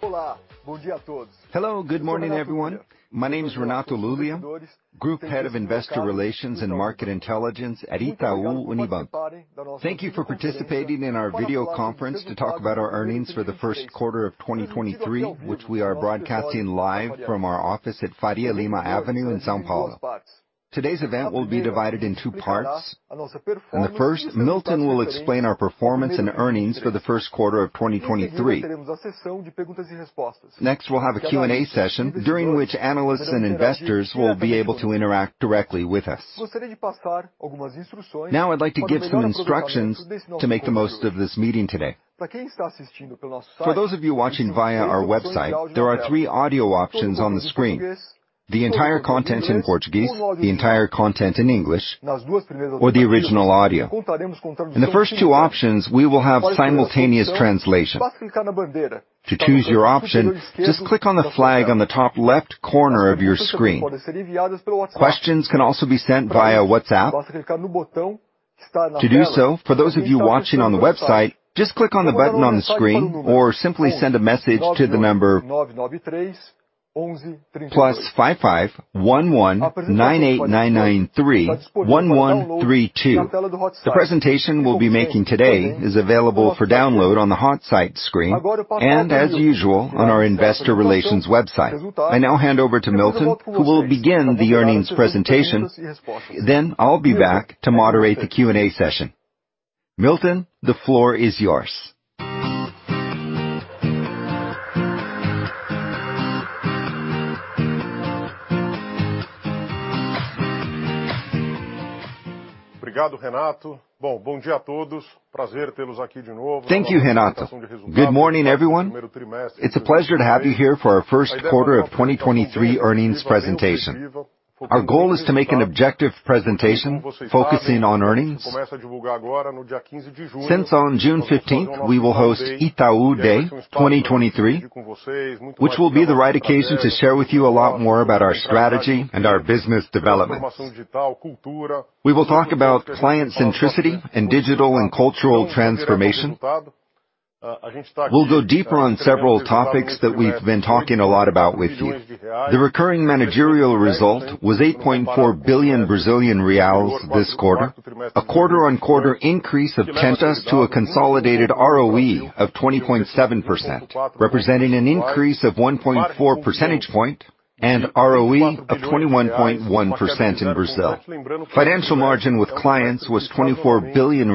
Hello, good morning, everyone. My name is Renato Lulia, Group Head of Investor Relations and Market Intelligence at Itaú Unibanco. Thank you for participating in our video conference to talk about our Earnings for the First Quarter of 2023, which we are broadcasting live from our office at Faria Lima Avenue in São Paulo. Today's event will be divided in two parts. In the first, Milton will explain our performance and earnings for the first quarter of 2023. Next, we'll have a Q&A session, during which analysts and investors will be able to interact directly with us. Now, I'd like to give some instructions to make the most of this meeting today. For those of you watching via our website, there are three audio options on the screen: the entire content in Portuguese, the entire content in English, or the original audio. In the first two options, we will have simultaneous translation. To choose your option, just click on the flag on the top left corner of your screen. Questions can also be sent via WhatsApp. To do so, for those of you watching on the website, just click on the button on the screen or simply send a message to the number +55 11 98993 1132. The presentation we'll be making today is available for download on the hot site screen and, as usual, on our investor relations website. I now hand over to Milton, who will begin the earnings presentation. I'll be back to moderate the Q&A session. Milton, the floor is yours. Thank you, Renato. Good morning, everyone. It's a pleasure to have you here for our First Quarter of 2023 Earnings Presentation.Our goal is to make an objective presentation focusing on earnings. On June 15th, we will host Itaú Day 2023, which will be the right occasion to share with you a lot more about our strategy and our business developments. We will talk about client centricity and digital and cultural transformation. We'll go deeper on several topics that we've been talking a lot about with you. The recurring managerial result was 8.4 billion Brazilian reais this quarter, a quarter-over-quarter increase of 10 to a consolidated ROE of 20.7%, representing an increase of 1.4 percentage point and ROE of 21.1% in Brazil. Financial margin with clients was BRL 24 billion,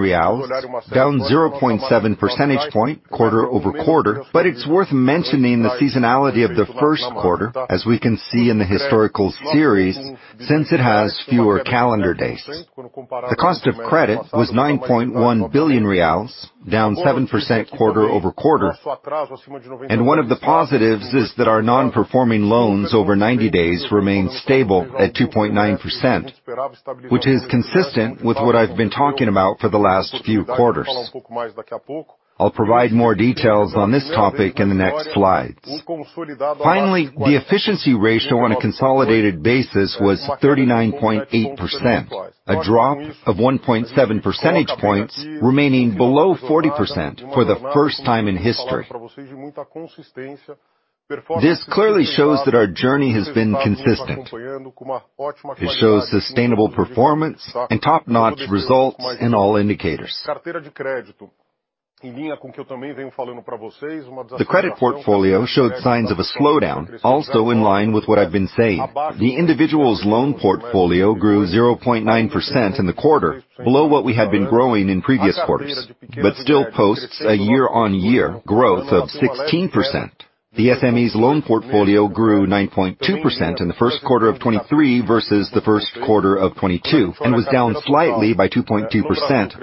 down 0.7 percentage point quarter-over-quarter. It's worth mentioning the seasonality of the first quarter, as we can see in the historical series, since it has fewer calendar days. The cost of credit was 9.1 billion reais, down 7% quarter-over-quarter. One of the positives is that our non-performing loans over 90 days remain stable at 2.9%, which is consistent with what I've been talking about for the last few quarters. I'll provide more details on this topic in the next slides. Finally, the efficiency ratio on a consolidated basis was 39.8%, a drop of 1.7 percentage points remaining below 40% for the first time in history. This clearly shows that our journey has been consistent. It shows sustainable performance and top-notch results in all indicators. The credit portfolio showed signs of a slowdown, also in line with what I've been saying. The individual's loan portfolio grew 0.9% in the quarter, below what we had been growing in previous quarters, but still posts a year-on-year growth of 16%. The SMEs loan portfolio grew 9.2% in the first quarter of 2023 versus the first quarter of 2022, and was down slightly by 2.2%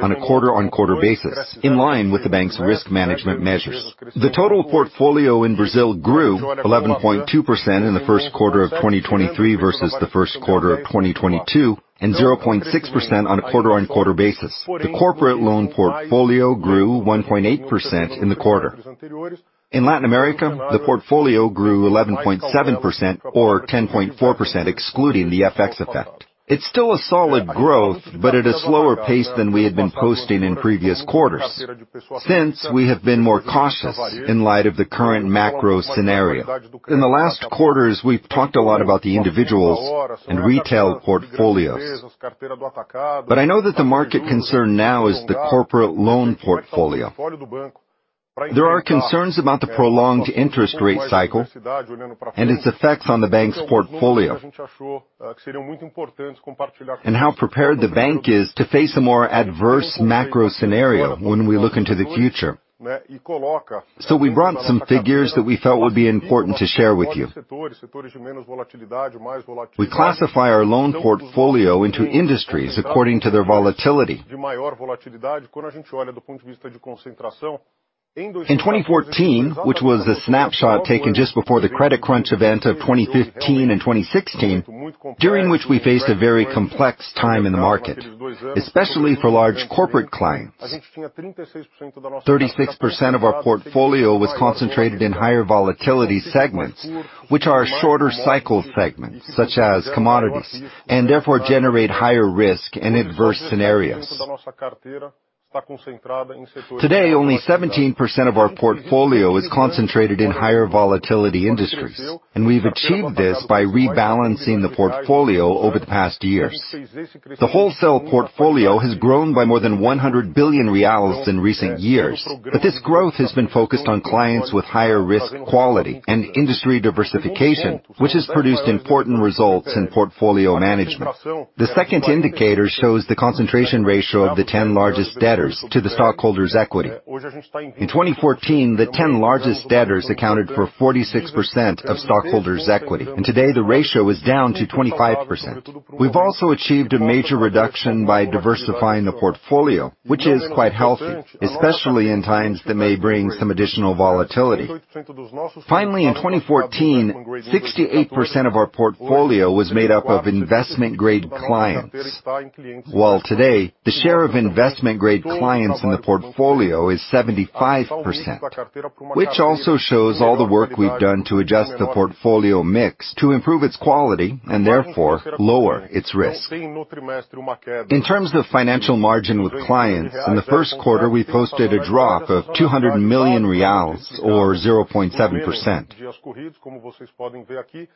on a quarter-on-quarter basis, in line with the bank's risk management measures. The total portfolio in Brazil grew 11.2% in the first quarter of 2023 versus the first quarter of 2022, and 0.6% on a quarter-on-quarter basis. The corporate loan portfolio grew 1.8% in the quarter. In Latin America, the portfolio grew 11.7% or 10.4%, excluding the FX effect. It's still a solid growth, but at a slower pace than we had been posting in previous quarters. Since we have been more cautious in light of the current macro scenario. In the last quarters, we've talked a lot about the individuals and retail portfolios, but I know that the market concern now is the corporate loan portfolio. There are concerns about the prolonged interest rate cycle and its effects on the bank's portfolio, and how prepared the bank is to face a more adverse macro scenario when we look into the future. We brought some figures that we thought would be important to share with you. We classify our loan portfolio into industries according to their volatility. In 2014, which was a snapshot taken just before the credit crunch event of 2015 and 2016, during which we faced a very complex time in the market, especially for large corporate clients. 36% of our portfolio was concentrated in higher volatility segments, which are shorter cycle segments such as commodities, and therefore generate higher risk and adverse scenarios. Today, only 17% of our portfolio is concentrated in higher volatility industries. We've achieved this by rebalancing the portfolio over the past years. The wholesale portfolio has grown by more than 100 billion reais in recent years. This growth has been focused on clients with higher risk quality and industry diversification, which has produced important results in portfolio management. The second indicator shows the concentration ratio of the 10 largest debtors to the stockholders' equity. In 2014, the 10 largest debtors accounted for 46% of stockholders' equity, and today the ratio is down to 25%. We've also achieved a major reduction by diversifying the portfolio, which is quite healthy, especially in times that may bring some additional volatility. Finally, in 2014, 68% of our portfolio was made up of investment-grade clients, while today, the share of investment-grade clients in the portfolio is 75%, which also shows all the work we've done to adjust the portfolio mix to improve its quality and therefore lower its risk. In terms of financial margin with clients, in the first quarter, we posted a drop of 200 million reais or 0.7%.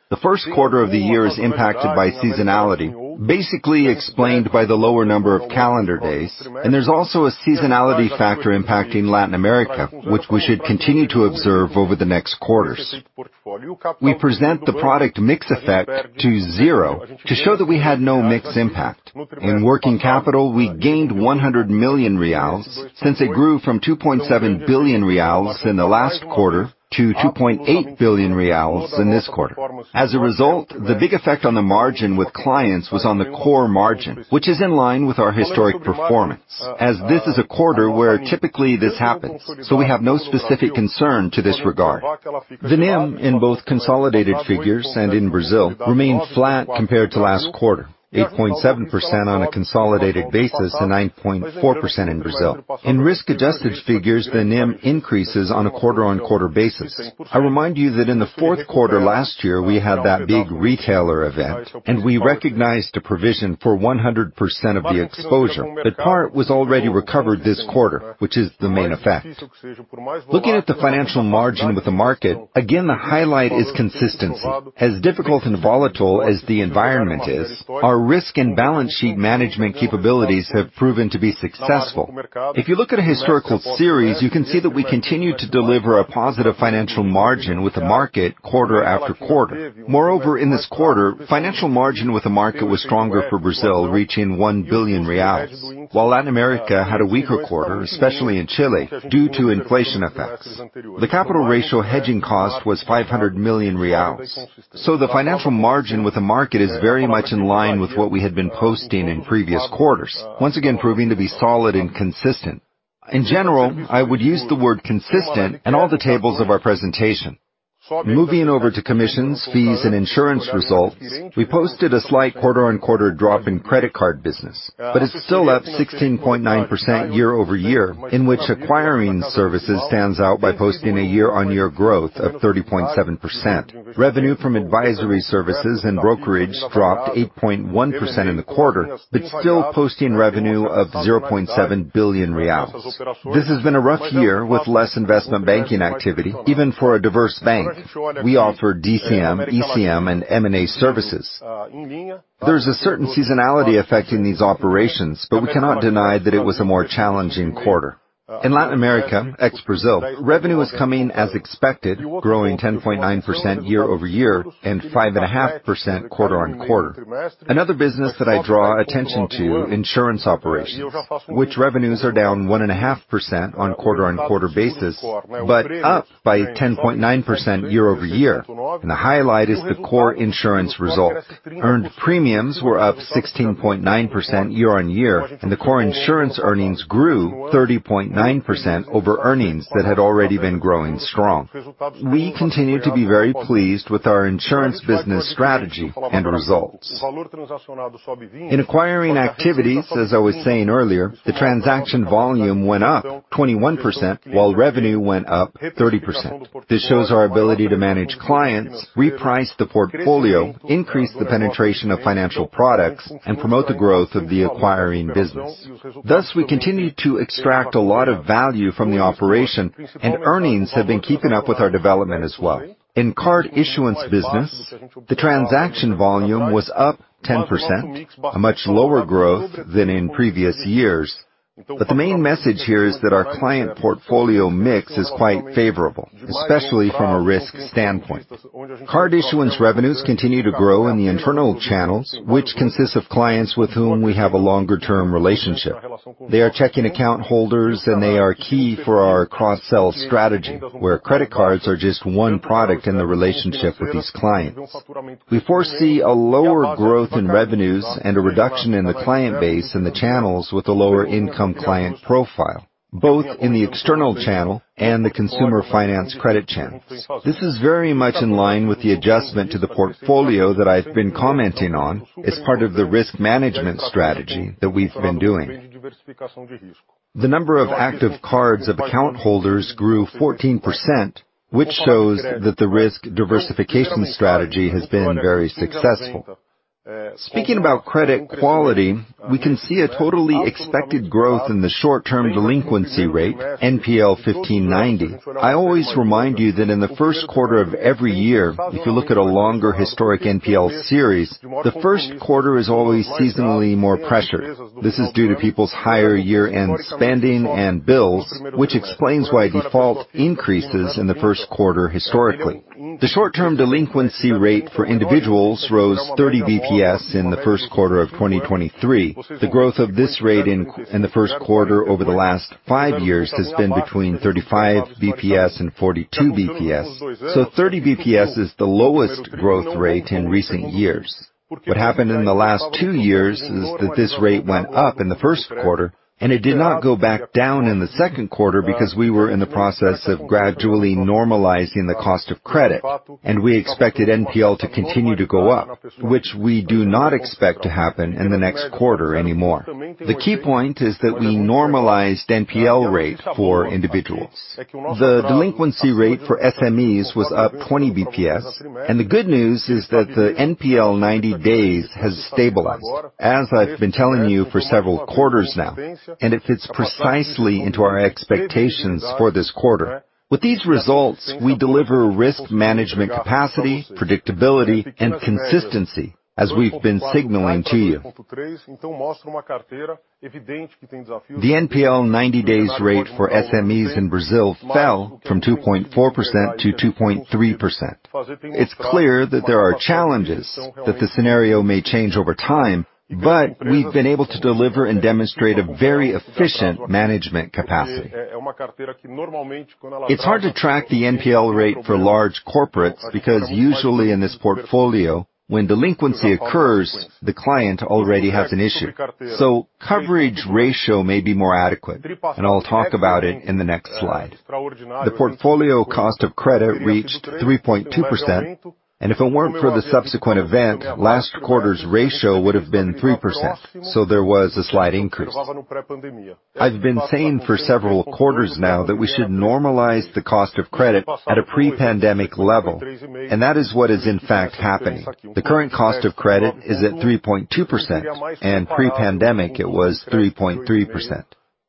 The first quarter of the year is impacted by seasonality, basically explained by the lower number of calendar days, and there's also a seasonality factor impacting Latin America, which we should continue to observe over the next quarters. We present the product mix effect to zero to show that we had no mix impact. In working capital, we gained 100 million reais since it grew from 2.7 billion reais in the last quarter to 2.8 billion reais in this quarter. As a result, the big effect on the margin with clients was on the core margin, which is in line with our historic performance as this is a quarter where typically this happens, so we have no specific concern to this regard. The NIM in both consolidated figures and in Brazil remained flat compared to last quarter, 8.7% on a consolidated basis to 9.4% in Brazil. In risk-adjusted figures, the NIM increases on a quarter-on-quarter basis. I remind you that in the fourth quarter last year, we had that big retailer event, and we recognized a provision for 100% of the exposure, but part was already recovered this quarter, which is the main effect. Looking at the financial margin with the market, again, the highlight is consistency. As difficult and volatile as the environment is, our risk and balance sheet management capabilities have proven to be successful. If you look at a historical series, you can see that we continue to deliver a positive financial margin with the market quarter after quarter. Moreover, in this quarter, financial margin with the market was stronger for Brazil, reaching 1 billion reais. While Latin America had a weaker quarter, especially in Chile, due to inflation effects. The capital ratio hedging cost was 500 million reais. The financial margin with the market is very much in line with what we had been posting in previous quarters. Once again, proving to be solid and consistent. In general, I would use the word consistent in all the tables of our presentation. Moving over to commissions, fees, and insurance results, we posted a slight quarter-on-quarter drop in credit card business, but it's still up 16.9% year-over-year, in which acquiring services stands out by posting a year-on-year growth of 30.7%. Revenue from advisory services and brokerage dropped 8.1% in the quarter, still posting revenue of BRL 0.7 billion. This has been a rough year with less investment banking activity, even for a diverse bank. We offer DCM, ECM, and M&A services. There's a certain seasonality affecting these operations, we cannot deny that it was a more challenging quarter. In Latin America, ex-Brazil, revenue is coming as expected, growing 10.9% year-over-year and 5.5% quarter-on-quarter. Another business that I draw attention to, insurance operations, which revenues are down 1.5% on quarter-on-quarter basis, up by 10.9% year-over-year. The highlight is the core insurance result. Earned premiums were up 16.9% year-on-year, the core insurance earnings grew 30.9% over earnings that had already been growing strong. We continue to be very pleased with our insurance business strategy and results. In acquiring activities, as I was saying earlier, the transaction volume went up 21%, while revenue went up 30%. This shows our ability to manage clients, reprice the portfolio, increase the penetration of financial products, and promote the growth of the acquiring business. Thus, we continue to extract a lot of value from the operation, and earnings have been keeping up with our development as well. In card issuance business, the transaction volume was up 10%, a much lower growth than in previous years. The main message here is that our client portfolio mix is quite favorable, especially from a risk standpoint. Card issuance revenues continue to grow in the internal channels, which consists of clients with whom we have a longer-term relationship. They are checking account holders. They are key for our cross-sell strategy, where credit cards are just one product in the relationship with these clients. We foresee a lower growth in revenues and a reduction in the client base in the channels with a lower income client profile, both in the external channel and the consumer finance credit channels. This is very much in line with the adjustment to the portfolio that I've been commenting on as part of the risk management strategy that we've been doing. The number of active cards of account holders grew 14%, which shows that the risk diversification strategy has been very successful. Speaking about credit quality, we can see a totally expected growth in the short-term delinquency rate, NPL 15-90. I always remind you that in the first quarter of every year, if you look at a longer historic NPL series, the first quarter is always seasonally more pressured. This is due to people's higher year-end spending and bills, which explains why default increases in the first quarter historically. The short-term delinquency rate for individuals rose 30 basis points in the first quarter of 2023. The growth of this rate in the first quarter over the last five years has been between 35 basis points and 42 basis points. 30 basis points is the lowest growth rate in recent years. What happened in the last two years is that this rate went up in the first quarter, and it did not go back down in the second quarter because we were in the process of gradually normalizing the cost of credit, and we expected NPL to continue to go up, which we do not expect to happen in the next quarter anymore. The key point is that we normalized NPL rate for individuals. The delinquency rate for SMEs was up 20 basis points, and the good news is that the NPL 90 days has stabilized, as I've been telling you for several quarters now, and it fits precisely into our expectations for this quarter. With these results, we deliver risk management capacity, predictability, and consistency as we've been signaling to you. The NPL 90 days rate for SMEs in Brazil fell from 2.4% to 2.3%. It's clear that there are challenges, that the scenario may change over time, but we've been able to deliver and demonstrate a very efficient management capacity. It's hard to track the NPL rate for large corporates because usually in this portfolio, when delinquency occurs, the client already has an issue. Coverage ratio may be more adequate, and I'll talk about it in the next slide. The portfolio cost of credit reached 3.2%, and if it weren't for the subsequent event, last quarter's ratio would've been 3%. There was a slight increase. I've been saying for several quarters now that we should normalize the cost of credit at a pre-pandemic level, and that is what is in fact happening. The current cost of credit is at 3.2%, and pre-pandemic it was 3.3%.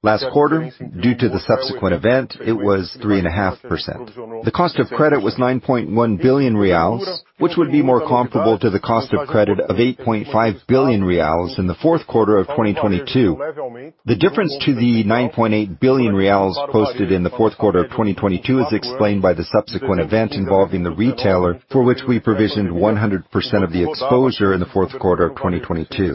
Last quarter, due to the subsequent event, it was 3.5%. The cost of credit was 9.1 billion reais, which would be more comparable to the cost of credit of 8.5 billion reais in the fourth quarter of 2022. The difference to the 9.8 billion reais posted in the fourth quarter of 2022 is explained by the subsequent event involving the retailer, for which we provisioned 100% of the exposure in the fourth quarter of 2022.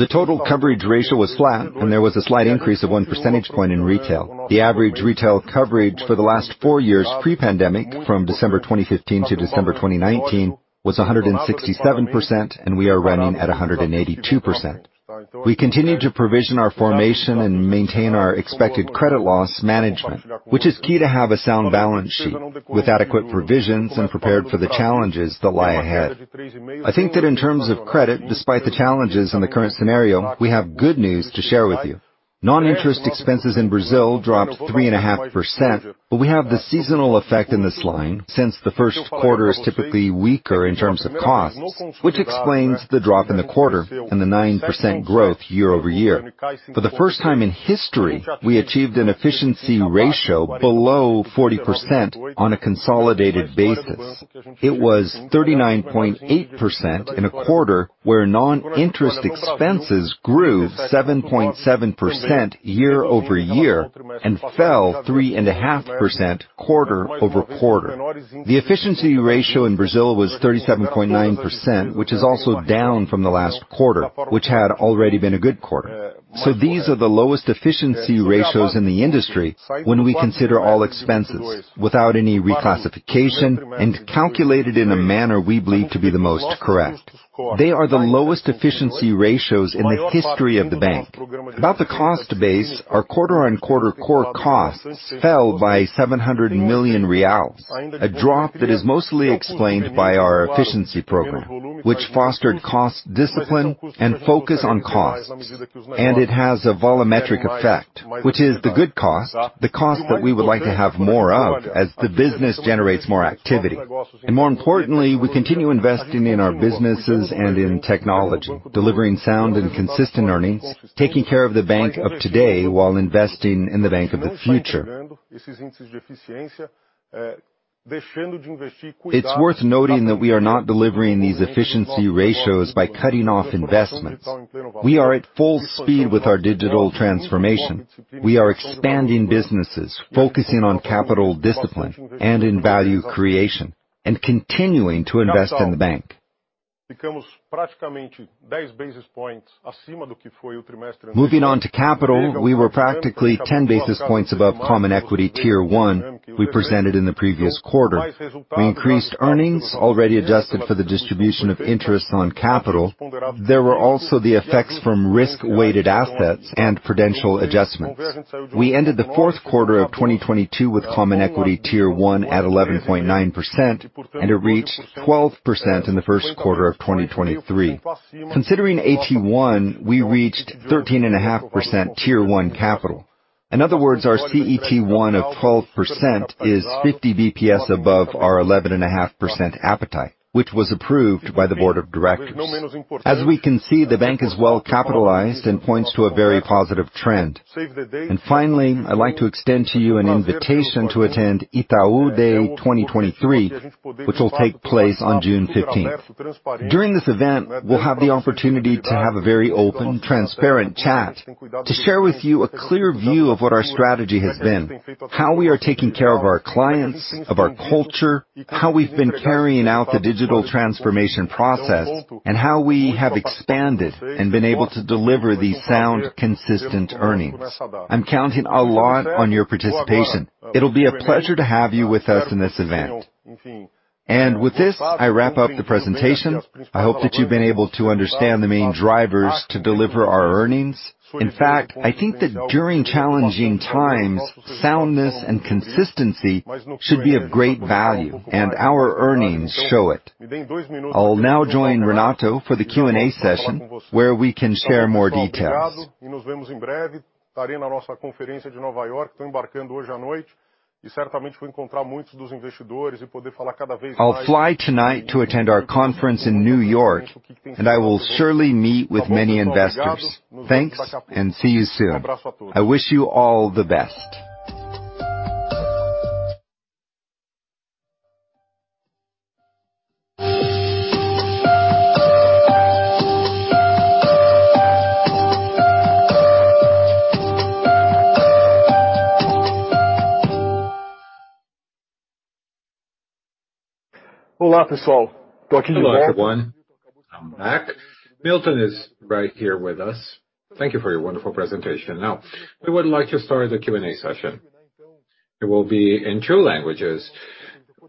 The total coverage ratio was flat. There was a slight increase of one percentage point in retail. The average retail coverage for the last four years pre-pandemic, from December 2015 to December 2019, was 167%. We are running at 182%. We continue to provision our formation and maintain our expected credit loss management, which is key to have a sound balance sheet with adequate provisions and prepared for the challenges that lie ahead. I think that in terms of credit, despite the challenges in the current scenario, we have good news to share with you. Non-interest expenses in Brazil dropped 3.5%. We have the seasonal effect in this line since the first quarter is typically weaker in terms of costs, which explains the drop in the quarter and the 9% growth year-over-year. For the first time in history, we achieved an efficiency ratio below 40% on a consolidated basis. It was 39.8% in a quarter where non-interest expenses grew 7.7% year-over-year and fell 3.5% quarter-over-quarter. The efficiency ratio in Brazil was 37.9%, which is also down from the last quarter, which had already been a good quarter. These are the lowest efficiency ratios in the industry when we consider all expenses without any reclassification and calculated in a manner we believe to be the most correct. They are the lowest efficiency ratios in the history of the bank. About the cost base, our quarter-on-quarter core cost fell by BRL 700 million, a drop that is mostly explained by our efficiency program, which fostered cost discipline and focus on cost. It has a volumetric effect, which is the good cost, the cost that we would like to have more of as the business generates more activity. More importantly, we continue investing in our businesses and in technology, delivering sound and consistent earnings, taking care of the bank of today while investing in the bank of the future. It's worth noting that we are not delivering these efficiency ratios by cutting off investments. We are at full speed with our digital transformation. We are expanding businesses, focusing on capital discipline and in value creation, and continuing to invest in the bank. Moving on to capital, we were practically 10 basis points above Common Equity Tier 1 we presented in the previous quarter. We increased earnings already adjusted for the distribution of interest on capital. There were also the effects from risk-weighted assets and prudential adjustments. We ended the fourth quarter of 2022 with Common Equity Tier 1 at 11.9%, and it reached 12% in the first quarter of 2023. Considering AT1, we reached 13.5% Tier 1 capital. In other words, our CET1 of 12% is 50 basis points above our 11.5% appetite, which was approved by the board of directors. As we can see, the bank is well capitalized and points to a very positive trend. Finally, I'd like to extend to you an invitation to attend Itaú Day 2023, which will take place on June 15th. During this event, we'll have the opportunity to have a very open, transparent chat to share with you a clear view of what our strategy has been, how we are taking care of our clients, of our culture, how we've been carrying out the digital transformation process, and how we have expanded and been able to deliver these sound consistent earnings. I'm counting a lot on your participation. It'll be a pleasure to have you with us in this event. With this, I wrap up the presentation. I hope that you've been able to understand the main drivers to deliver our earnings. In fact, I think that during challenging times, soundness and consistency should be of great value, and our earnings show it. I'll now join Renato for the Q&A session, where we can share more details. I'll fly tonight to attend our conference in New York, and I will surely meet with many investors. Thanks. See you soon. I wish you all the best. Hello, everyone. I'm back. Milton is right here with us. Thank you for your wonderful presentation. We would like to start the Q&A session. It will be in two languages.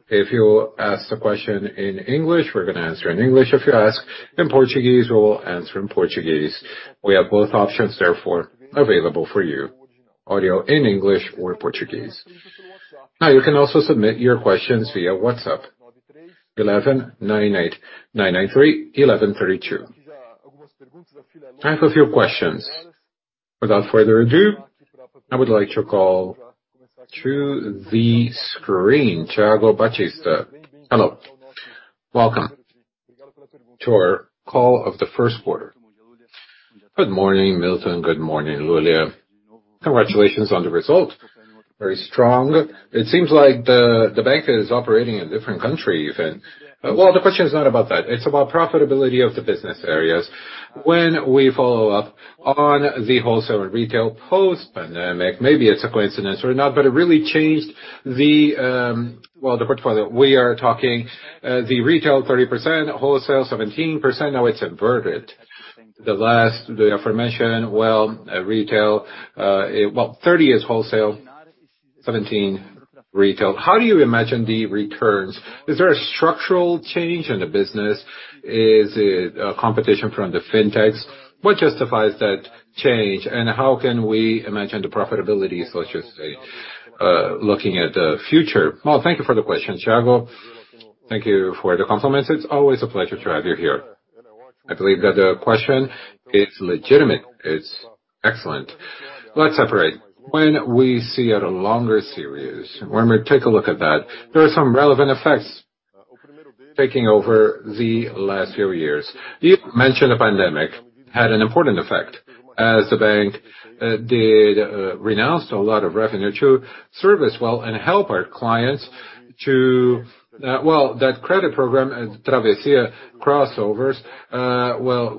If you ask a question in English, we're gonna answer in English. If you ask in Portuguese, we will answer in Portuguese. We have both options, therefore, available for you. Audio in English or Portuguese. You can also submit your questions via WhatsApp, 11 98993 1132. Time for your questions. Without further ado, I would like to call to the screen, Thiago Batista. Hello. Welcome to our call of the first quarter. Good morning, Milton. Good morning, Lulia. Congratulations on the result. Very strong. It seems like the bank is operating in different country even. Well, the question is not about that. It's about profitability of the business areas. When we follow up on the wholesale and retail post-pandemic, maybe it's a coincidence or not, but it really changed the. Well, the portfolio. We are talking, the retail 30%, wholesale 17%, now it's inverted. The last, the aforementioned, well, retail, well, 30 is wholesale, 17 retail. How do you imagine the returns? Is there a structural change in the business? Is it a competition from the fintechs? What justifies that change, and how can we imagine the profitability, so to say, looking at the future? Well, thank you for the question, Thiago. Thank you for the compliments. It's always a pleasure to have you here. I believe that the question is legitimate. It's excellent. Let's separate. When we see a longer series, when we take a look at that, there are some relevant effects taking over the last few years. You mentioned the pandemic had an important effect as the bank did renounce a lot of revenue to service well and help our clients to, well, that credit program, Travessia crossovers,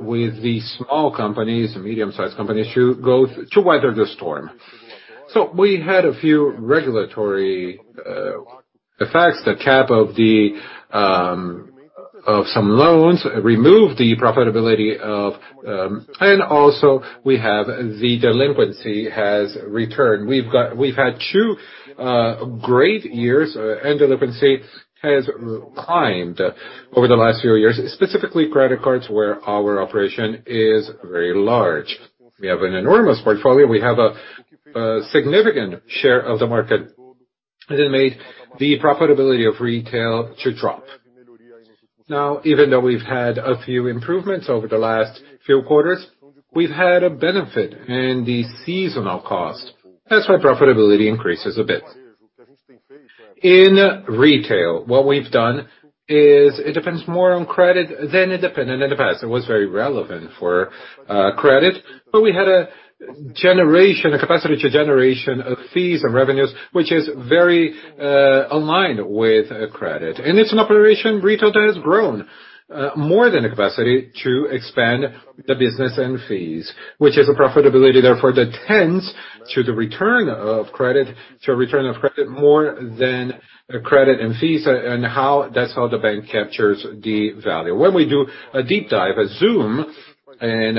with the small companies, medium-sized companies to weather the storm. We had a few regulatory effects. The cap of the of some loans removed the profitability of. Also we have the delinquency has returned. We've had two great years, and delinquency has climbed over the last few years, specifically credit cards, where our operation is very large. We have an enormous portfolio. We have a significant share of the market, and it made the profitability of retail to drop. Now, even though we've had a few improvements over the last few quarters, we've had a benefit in the seasonal cost. That's why profitability increases a bit. In retail, what we've done is it depends more on credit than it depended in the past. It was very relevant for credit, but we had a generation, a capacity to generation of fees and revenues, which is very aligned with credit. It's an operation retail that has grown, more than a capacity to expand the business and fees, which is a profitability therefore that tends to the return of credit, to a return of credit more than credit and fees. That's how the bank captures the value. When we do a deep dive, a zoom in,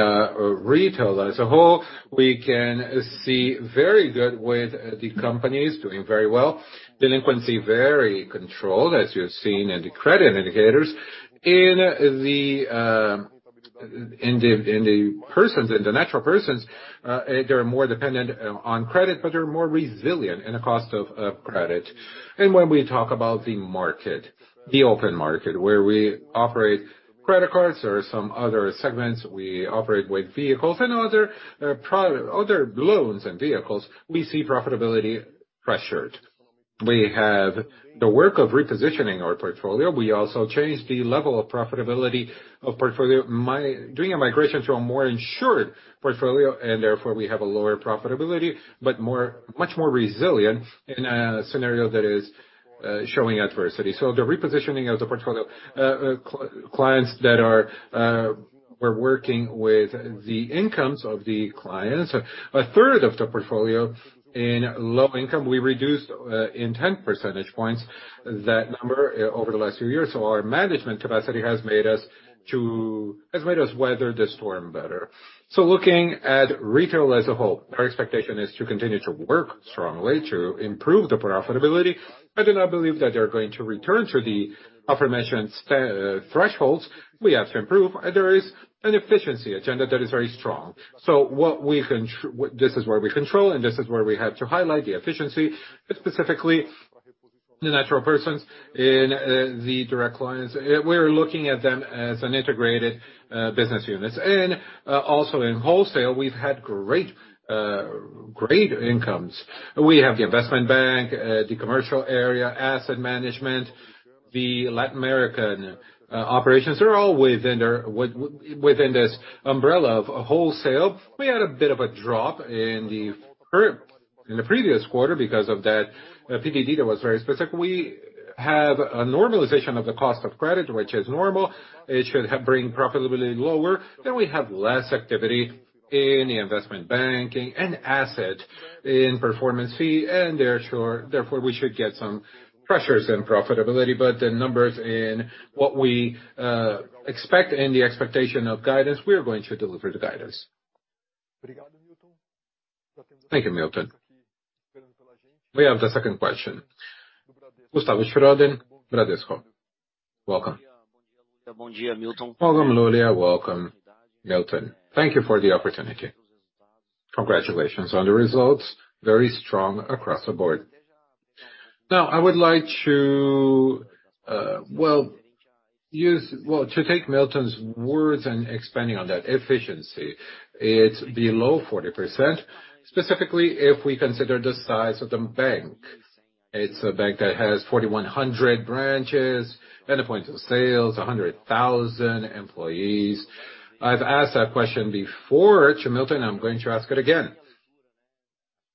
retail as a whole, we can see very good with the companies doing very well. Delinquency very controlled as you've seen in the credit indicators. In the, in the, in the persons, in the natural persons, they are more dependent on credit, but they're more resilient in the cost of credit. When we talk about the market, the open market, where we operate credit cards or some other segments, we operate with vehicles and other loans and vehicles, we see profitability pressured. We have the work of repositioning our portfolio. We also change the level of profitability of portfolio. Doing a migration to a more insured portfolio, and therefore we have a lower profitability, but more, much more resilient in a scenario that is showing adversity. The repositioning of the portfolio, clients that are, we're working with the incomes of the clients. A third of the portfolio in low income, we reduced in 10 percentage points that number over the last few years. Our management capacity has made us weather the storm better. Looking at retail as a whole, our expectation is to continue to work strongly to improve the profitability. I do not believe that they're going to return to the aforementioned thresholds. We have to improve. There is an efficiency agenda that is very strong. This is where we control, and this is where we have to highlight the efficiency, but specifically the natural persons in the direct lines. We're looking at them as an integrated business units. Also, in wholesale, we've had great incomes. We have the investment bank, the commercial area, asset management, the Latin American operations. They're all within their within this umbrella of wholesale. We had a bit of a drop in the previous quarter because of that PDD that was very specific. We have a normalization of the cost of credit, which is normal. It should help bring profitability lower. We have less activity in investment banking and asset in performance fee, they're sure, therefore we should get some pressures in profitability. The numbers in what we expect and the expectation of guidance, we are going to deliver the guidance. Thank you, Milton. We have the second question. Gustavo Schroden, Bradesco. Welcome. Welcome, Lulia. Welcome, Milton. Thank you for the opportunity. Congratulations on the results. Very strong across the board. Now, I would like to, well, use. Well, to take Milton's words and expanding on that efficiency, it's below 40%, specifically if we consider the size of the bank. It's a bank that has 4,100 branches and points of sales, 100,000 employees. I've asked that question before to Milton, I'm going to ask it again.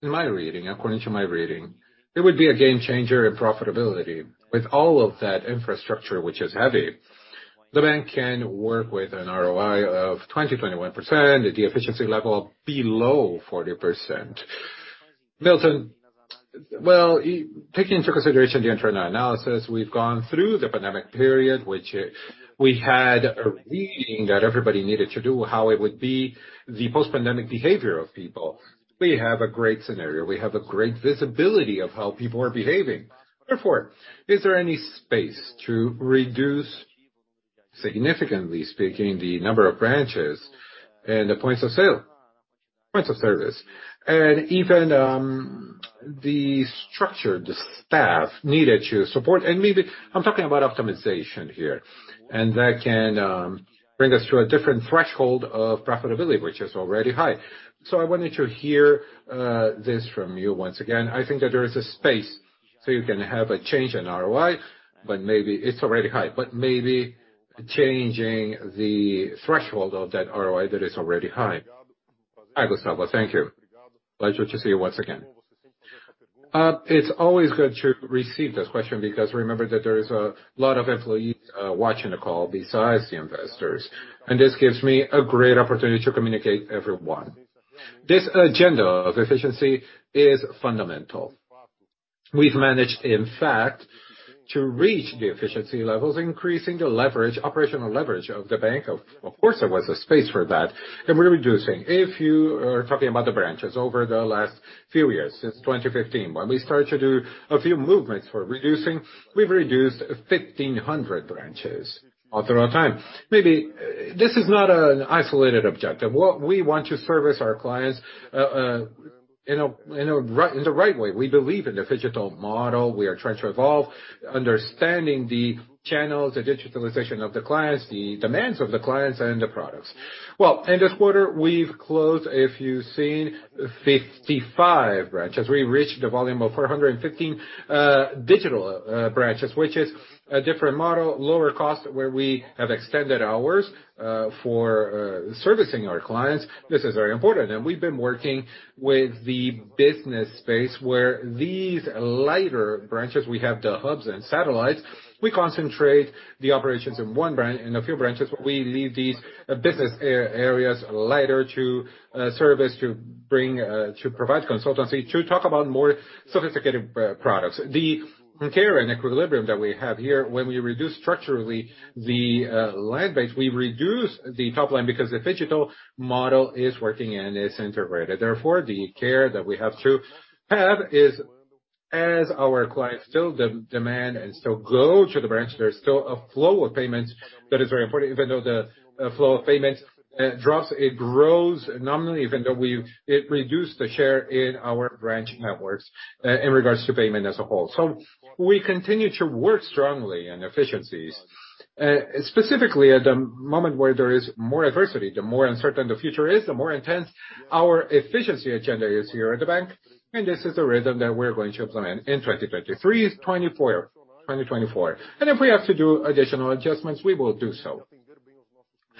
In my reading, according to my reading, it would be a game changer in profitability. With all of that infrastructure, which is heavy, the bank can work with an ROI of 20%-21% at the efficiency level below 40%. Milton, well, taking into consideration the internal analysis, we've gone through the pandemic period, which we had a reading that everybody needed to do, how it would be the post-pandemic behavior of people. We have a great scenario. We have a great visibility of how people are behaving. Is there any space to reduce, significantly speaking, the number of branches and the points of sale, points of service, and even the structure, the staff needed to support and maybe I'm talking about optimization here, and that can bring us to a different threshold of profitability, which is already high? I wanted to hear this from you once again. I think that there is a space, so you can have a change in ROI, but maybe it's already high. Maybe changing the threshold of that ROI that is already high. Hi, Gustavo. Thank you. Pleasure to see you once again. It's always good to receive this question because remember that there is a lot of employees watching the call besides the investors. This gives me a great opportunity to communicate everyone. This agenda of efficiency is fundamental. We've managed, in fact, to reach the efficiency levels, increasing the leverage, operational leverage of the bank. Of course, there was a space for that, and we're reducing. If you are talking about the branches over the last few years, since 2015, when we started to do a few movements for reducing, we've reduced 1,500 branches all through our time. Maybe, this is not an isolated objective. What we want to service our clients in a, in the right way. We believe in the phygital model. We are trying to evolve, understanding the channels, the digitalization of the clients, the demands of the clients and the products. Well, in this quarter, we've closed, if you've seen, 55 branches. We reached the volume of 415 digital branches, which is a different model, lower cost, where we have extended hours for servicing our clients. This is very important. We've been working with the business space where these lighter branches, we have the hubs and satellites. We concentrate the operations in a few branches, we leave these business areas lighter to service, to bring, to provide consultancy, to talk about more sophisticated products. The care and equilibrium that we have here, when we reduce structurally the land base, we reduce the top line because the phygital model is working and is integrated. The care that we have to have is, as our clients still demand and still go to the branch, there's still a flow of payments that is very important. Even though the flow of payments drops, it grows nominally even though we've, it reduced the share in our branch networks, in regards to payment as a whole. We continue to work strongly on efficiencies, specifically at the moment where there is more adversity. The more uncertain the future is, the more intense our efficiency agenda is here at the bank, this is the rhythm that we're going to implement in 2023, 2024. If we have to do additional adjustments, we will do so,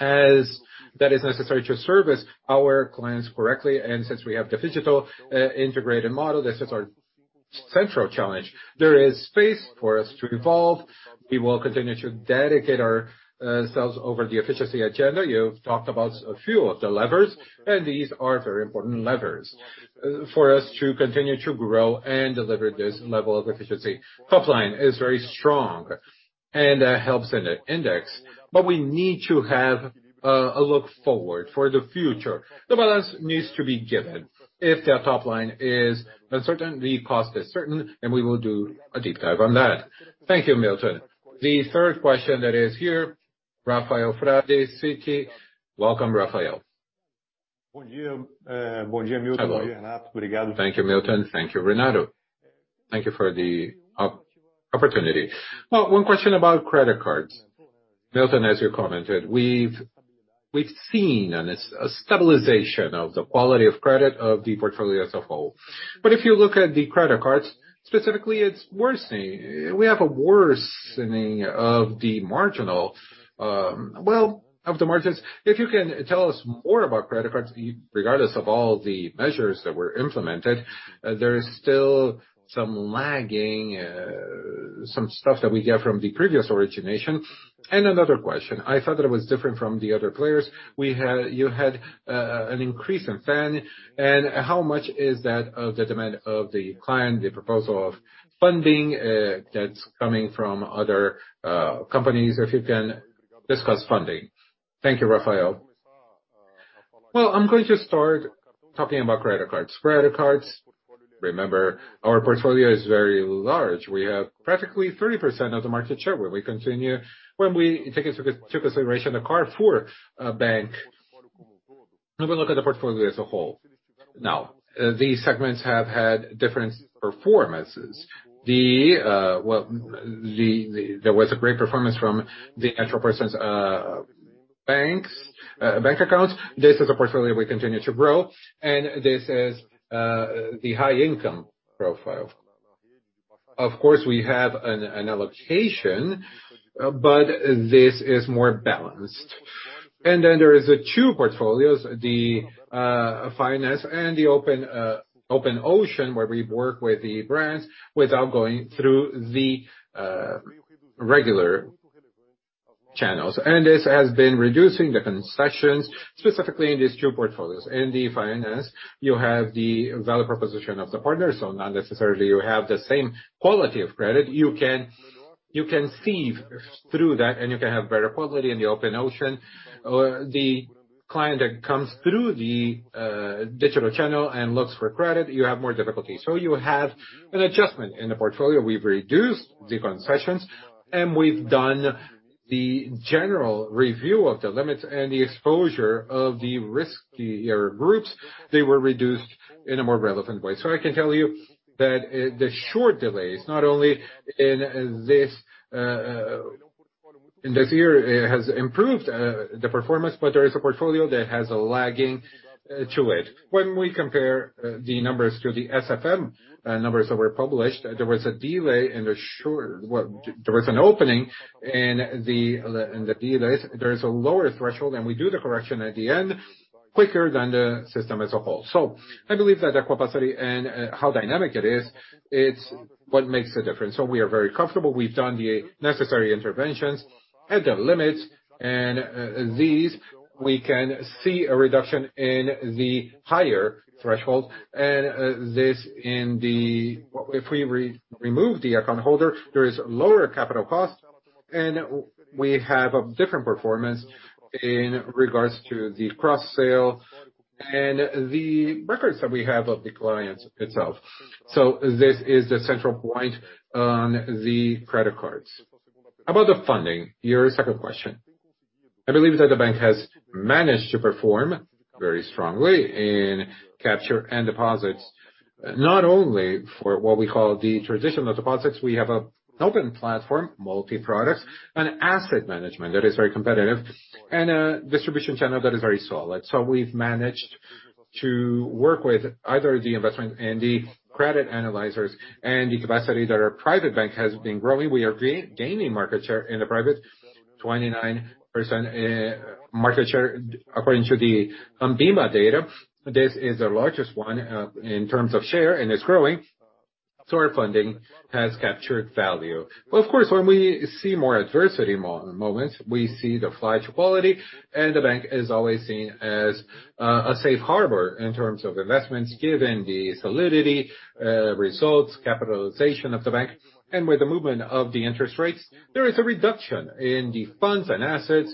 as that is necessary to service our clients correctly. Since we have the phygital integrated model, this is our central challenge. There is space for us to evolve. We will continue to dedicate ourselves over the efficiency agenda. You've talked about a few of the levers. These are very important levers for us to continue to grow and deliver this level of efficiency. Top line is very strong and helps in the index. We need to have a look forward for the future. The balance needs to be given. If the top line is uncertain, the cost is certain. We will do a deep dive on that. Thank you, Milton. The third question that is here, Rafael Frade, Citi. Welcome, Rafael. Hello. Thank you, Milton. Thank you, Renato. Thank you for the opportunity. Well, one question about credit cards. Milton, as you commented, we've seen and it's a stabilization of the quality of credit of the portfolio as a whole. If you look at the credit cards, specifically, it's worsening. We have a worsening of the marginal, well, of the margins. If you can tell us more about credit cards, regardless of all the measures that were implemented, there is still some lagging, some stuff that we get from the previous origination. Another question, I thought that it was different from the other players. You had an increase in funding, and how much is that of the demand of the client, the proposal of funding, that's coming from other companies, if you can discuss funding. Thank you, Rafael. I'm going to start talking about credit cards. Credit cards, remember, our portfolio is very large. We have practically 30% of the market share. When we take into consideration the card for a bank, we will look at the portfolio as a whole. Now, these segments have had different performances. Well, there was a great performance from the entrepreneurs' banks, bank accounts. This is a portfolio we continue to grow, and this is the high income profile. Of course, we have an allocation, but this is more balanced. Then there is two portfolios, the finance and the open ocean, where we work with the brands without going through the regular channels. This has been reducing the concessions, specifically in these two portfolios. In the finance, you have the value proposition of the partner, so not necessarily you have the same quality of credit. You can see through that, and you can have better quality in the open ocean. The client that comes through the digital channel and looks for credit, you have more difficulty. You have an adjustment. In the portfolio, we've reduced the concessions, and we've done the general review of the limits and the exposure of the riskier groups. They were reduced in a more relevant way. I can tell you that, the short delays, not only in this, in this year, it has improved, the performance, but there is a portfolio that has a lagging, to it. When we compare, the numbers to the SFN, numbers that were published, there was a delay in the Well, there was an opening in the, in the delays. There is a lower threshold, and we do the correction at the end quicker than the system as a whole. I believe that the capacity and, how dynamic it is, it's what makes a difference. We are very comfortable. We've done the necessary interventions at the limits, and these we can see a reduction in the higher threshold. This in the If we remove the account holder, there is lower capital cost, and we have a different performance in regards to the cross-sale and the records that we have of the clients itself. This is the central point on the credit cards. About the funding, your second question. I believe that the bank has managed to perform very strongly in capture and deposits, not only for what we call the traditional deposits. We have a open platform, multi-products, and asset management that is very competitive and a distribution channel that is very solid. We've managed to work with either the investment and the credit analyzers and the capacity that our private bank has been growing. We are gaining market share in the private 29% market share according to the ANBIMA data. This is the largest one in terms of share, and it's growing. Our funding has captured value. Of course, when we see more adversity moment, we see the flight to quality, and the bank is always seen as a safe harbor in terms of investments, given the solidity, results, capitalization of the bank. With the movement of the interest rates, there is a reduction in the funds and assets.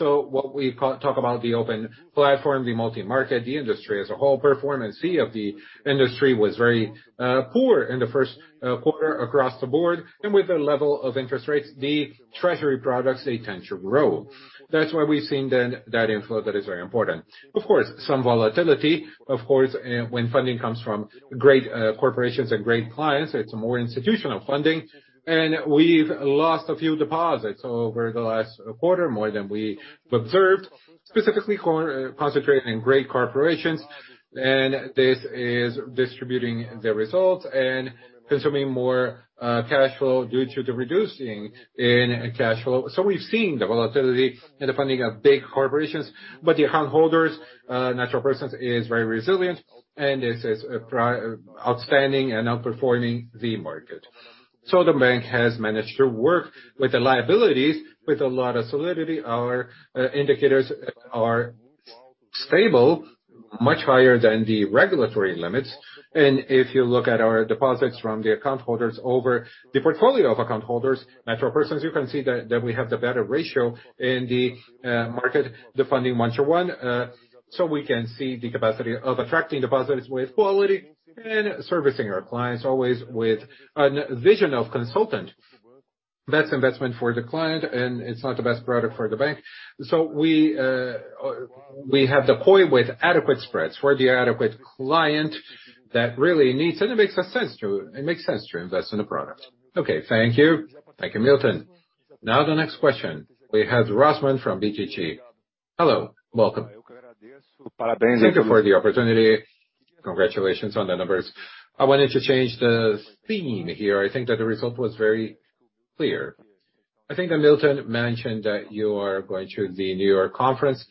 What we talk about the open platform, the multi-market, the industry as a whole, performance of the industry was very poor in the first quarter across the board. With the level of interest rates, the treasury products, they tend to grow. That's why we've seen then that inflow that is very important. Of course, some volatility, of course, when funding comes from great corporations and great clients, it's a more institutional funding. We've lost a few deposits over the last quarter, more than we observed, specifically concentrating great corporations. This is distributing the results and consuming more cash flow due to the reducing in cash flow. We've seen the volatility in the funding of big corporations, but the account holders, natural persons, is very resilient, and this is outstanding and outperforming the market. The bank has managed to work with the liabilities with a lot of solidity. Our indicators are stable, much higher than the regulatory limits. If you look at our deposits from the account holders over the portfolio of account holders, natural persons, you can see that we have the better ratio in the market, the funding months are one. We can see the capacity of attracting deposits with quality and servicing our clients always with a vision of consultant. Best investment for the client, and it's not the best product for the bank. We have the point with adequate spreads for the adequate client that really needs, and it makes sense to invest in a product. Okay, thank you. Thank you, Milton. Now the next question. We have Rosman from BTG. Hello. Welcome. Thank you for the opportunity. Congratulations on the numbers. I wanted to change the theme here. I think that the result was very clear. I think that Milton mentioned that you are going to the New York conference.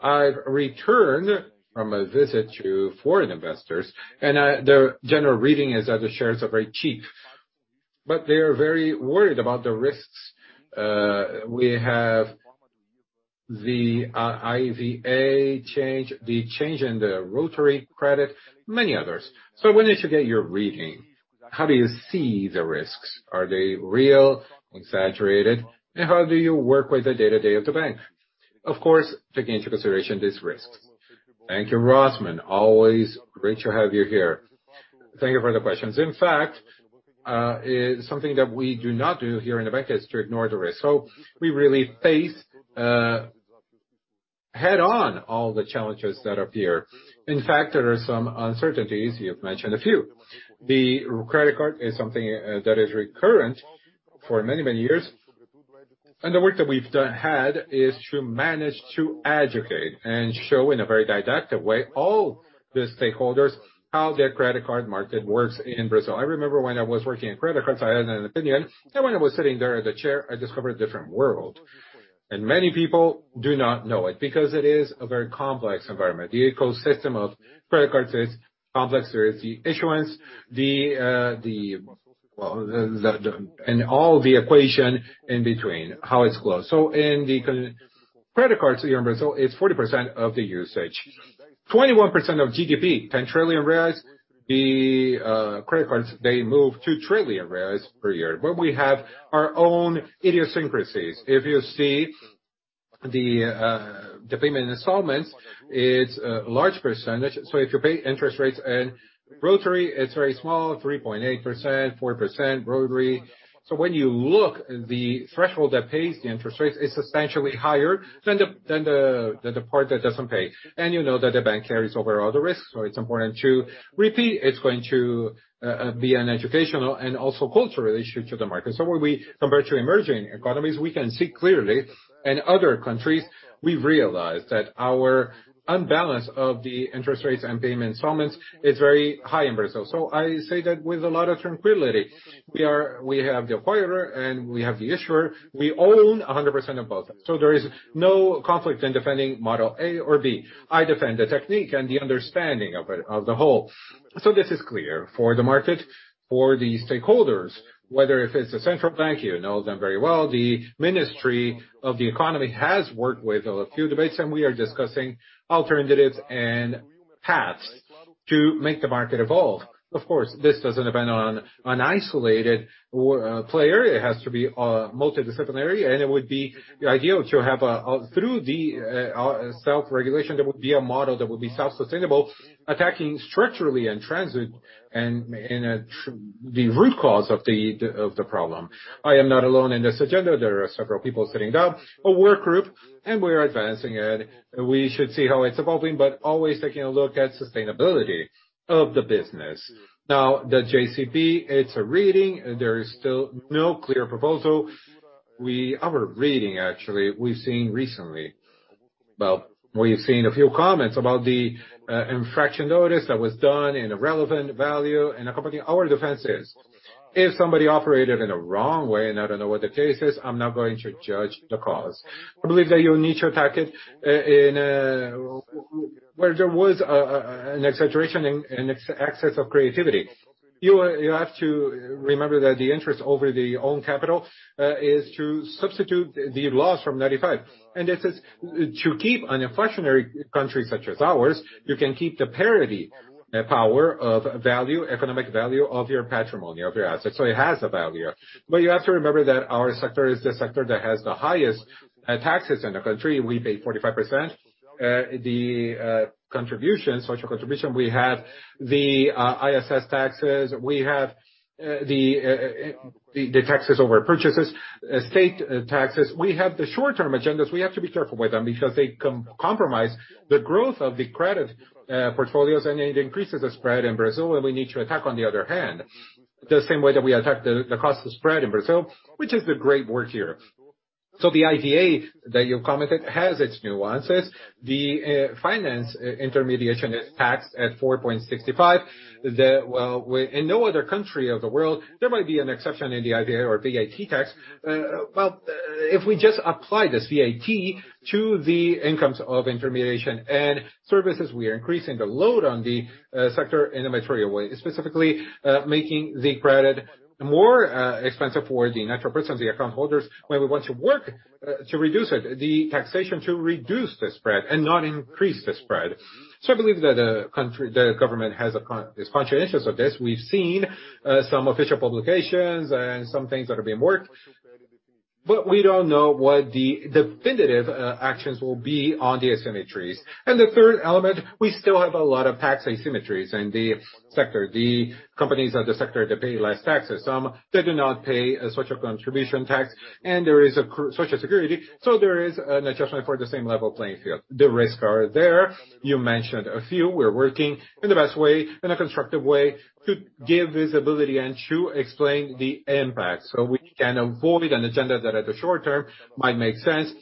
I've returned from a visit to foreign investors. Their general reading is that the shares are very cheap, but they are very worried about the risks. We have the IVA change, the change in the rotary credit, many others. I wanted to get your reading. How do you see the risks? Are they real, exaggerated? How do you work with the day-to-day of the bank? Of course, take into consideration these risks. Thank you, Rosman. Always great to have you here. Thank you for the questions. In fact, something that we do not do here in the bank is to ignore the risk. We really face head-on all the challenges that appear. In fact, there are some uncertainties. You've mentioned a few. The credit card is something that is recurrent for many, many years. The work that we've done had is to manage to educate and show in a very didactic way, all the stakeholders, how their credit card market works in Brazil. I remember when I was working in credit cards, I had an opinion, and when I was sitting there in the chair, I discovered a different world. Many people do not know it because it is a very complex environment. The ecosystem of credit cards is complex. There is the issuance, the, and all the equation in between, how it's closed. Credit cards here in Brazil is 40% of the usage. 21% of GDP, 10 trillion reais. The credit cards, they move 2 trillion reais per year, but we have our own idiosyncrasies. If you see the payment installments, it's a large %. If you pay interest rates and rotary, it's very small, 3.8%, 4% rotary. When you look, the threshold that pays the interest rates is substantially higher than the part that doesn't pay. You know that the bank carries overall the risks. It's important to repeat, it's going to be an educational and also cultural issue to the market. When we compare to emerging economies, we can see clearly, in other countries, we've realized that our unbalance of the interest rates and payment installments is very high in Brazil. I say that with a lot of tranquility. We have the acquirer, and we have the issuer. We own 100% of both. There is no conflict in defending model A or B. I defend the technique and the understanding of it, of the whole. This is clear for the market, for the stakeholders, whether if it's the central bank, you know them very well. The Ministry of the Economy has worked with a few debates, and we are discussing alternatives and paths to make the market evolve. Of course, this doesn't depend on an isolated or player. It has to be multidisciplinary, and it would be ideal to have through the self-regulation, there would be a model that would be self-sustainable, attacking structurally and transit and in the root cause of the problem. I am not alone in this agenda. There are several people setting up a work group, and we are advancing it. We should see how it's evolving, but always taking a look at sustainability of the business. Now, the JCP, it's a reading. There is still no clear proposal. Our reading actually, we've seen recently. Well, we've seen a few comments about the infraction notice that was done in a relevant value, and the company. Our defense is, if somebody operated in a wrong way, and I don't know what the case is, I'm not going to judge the cause. I believe that you need to attack it in where there was an exaggeration and excess of creativity. You have to remember that the interest over the own capital is to substitute the loss from 95. This is to keep an inflationary country such as ours, you can keep the parity, power of value, economic value of your patrimony, of your assets, so it has a value. You have to remember that our sector is the sector that has the highest taxes in the country. We pay 45%. The contribution, social contribution, we have the ISS taxes, we have the taxes over purchases, state taxes. We have the short-term agendas. We have to be careful with them because they compromise the growth of the credit portfolios, and it increases the spread in Brazil, and we need to attack, on the other hand, the same way that we attack the cost of spread in Brazil, which is the great work here. The idea that you commented has its nuances. The finance intermediation is taxed at 4.65%. Well, in no other country of the world, there might be an exception in the idea or VAT tax. Well, if we just apply this VAT to the incomes of intermediation and services, we are increasing the load on the sector in a material way, specifically, making the credit more expensive for the natural persons, the account holders, when we want to work to reduce it, the taxation to reduce the spread and not increase the spread. I believe that country, the government is conscious of this. We've seen some official publications and some things that are being worked, but we don't know what the definitive actions will be on the asymmetries. The third element, we still have a lot of tax asymmetries in the sector. The companies of the sector, they pay less taxes. Some, they do not pay a social contribution tax, and there is a social security, so there is an adjustment for the same level playing field. The risks are there. You mentioned a few. We're working in the best way, in a constructive way to give visibility and to explain the impact, so we can avoid an agenda that at the short term might make sense,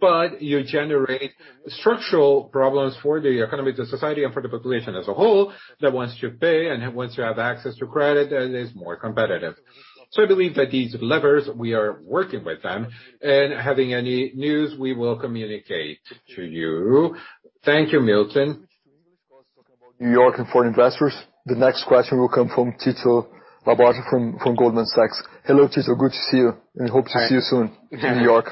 but you generate structural problems for the economy, the society, and for the population as a whole that wants to pay and wants to have access to credit and is more competitive. I believe that these levers, we are working with them, and having any news, we will communicate to you. Thank you, Milton. New York and foreign investors. The next question will come from Tito Labarta from Goldman Sachs. Hello, Tito. Good to see you, and hope to see you soon in New York.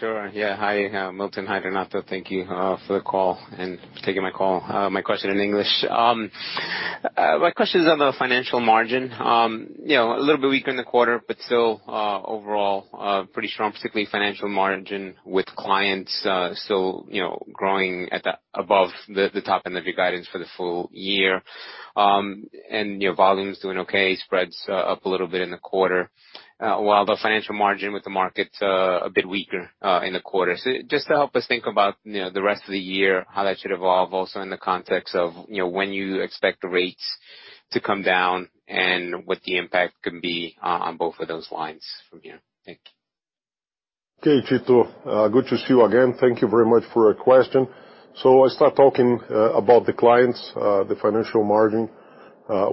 Sure. Hi, Milton. Hi, Renato. Thank you for the call and taking my call, my question in English. My question is on the financial margin. You know, a little bit weaker in the quarter, but still overall pretty strong, particularly financial margin with clients, still, you know, growing at the above the top end of your guidance for the full year. You know, volumes doing okay, spreads up a little bit in the quarter, while the financial margin with the market's a bit weaker in the quarter. Just to help us think about, you know, the rest of the year, how that should evolve also in the context of, you know, when you expect rates to come down and what the impact can be on both of those lines from here. Thank you. Okay, Tito. Good to see you again. Thank you very much for your question. I start talking about the clients, the financial margin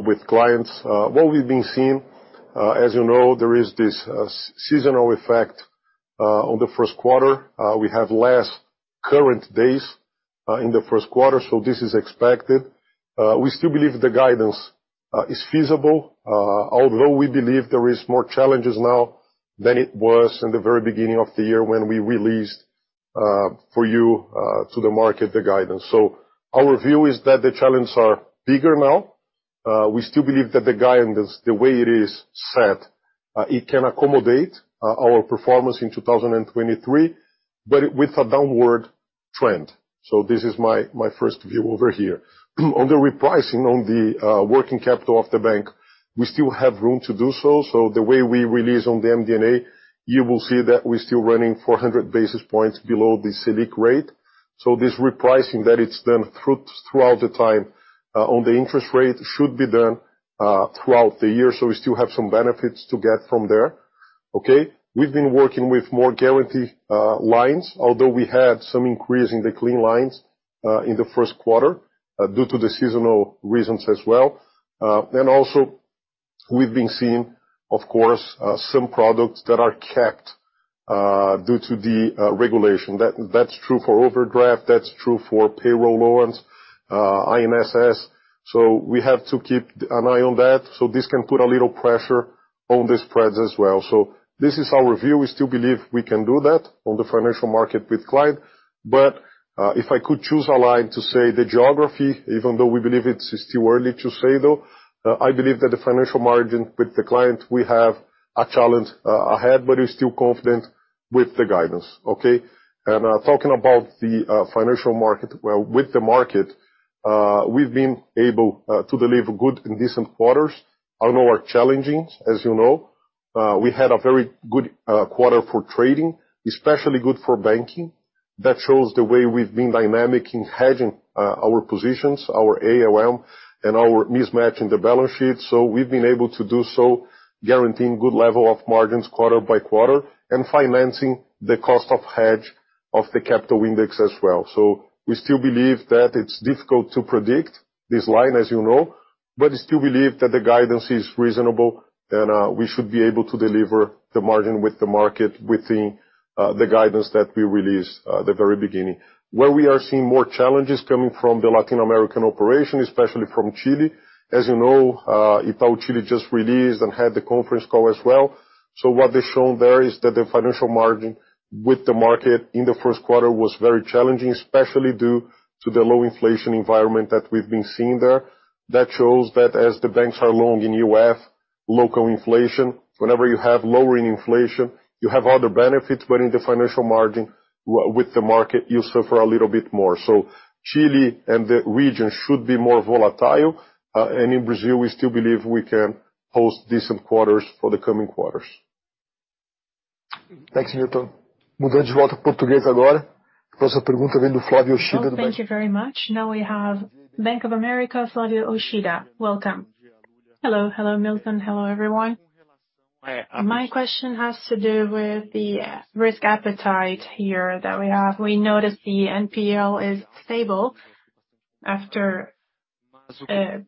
with clients. What we've been seeing, as you know, there is this seasonal effect on the first quarter. We have less current days in the first quarter, so this is expected. We still believe the guidance is feasible, although we believe there is more challenges now than it was in the very beginning of the year when we released for you to the market, the guidance. Our view is that the challenges are bigger now. We still believe that the guidance, the way it is set, it can accommodate our performance in 2023, but with a downward trend. This is my first view over here. On the repricing on the working capital of the bank, we still have room to do so. The way we release on the MD&A, you will see that we're still running 400 basis points below the Selic rate. This repricing that it's done throughout the time, on the interest rate should be done throughout the year, so we still have some benefits to get from there, okay? We've been working with more guarantee lines, although we had some increase in the clean lines in the first quarter, due to the seasonal reasons as well. And also we've been seeing, of course, some products that are capped due to the regulation. That's true for overdraft, that's true for payroll loans, INSS. We have to keep an eye on that. This can put a little pressure on the spreads as well. This is our view. We still believe we can do that on the financial market with client. If I could choose a line to say the geography, even though we believe it's still early to say, though, I believe that the financial margin with the client, we have a challenge ahead, but we're still confident with the guidance, okay? Talking about the financial market, well, with the market, we've been able to deliver good and decent quarters. I know we're challenging, as you know. We had a very good quarter for trading, especially good for banking. That shows the way we've been dynamic in hedging, our positions, our ALM, and our mismatch in the balance sheet. We've been able to do so guaranteeing good level of margins quarter-by-quarter and financing the cost of hedge of the capital index as well. We still believe that it's difficult to predict this line, as you know, but we still believe that the guidance is reasonable and we should be able to deliver the margin with the market within the guidance that we released the very beginning. Where we are seeing more challenges coming from the Latin American operation, especially from Chile. As you know, Itaú Chile just released and had the conference call as well. What they've shown there is that the financial margin with the market in the first quarter was very challenging, especially due to the low inflation environment that we've been seeing there. That shows that as the banks are long in UF, local inflation, whenever you have lowering inflation, you have other benefits, but in the financial margin with the market, you suffer a little bit more. Chile and the region should be more volatile. In Brazil, we still believe we can post decent quarters for the coming quarters. Thanks, Milton.Thank you very much. We have Bank of America, Flavio Yoshida. Welcome. Hello. Hello, Milton. Hello, everyone. My question has to do with the risk appetite here that we have. We noticed the NPL is stable after a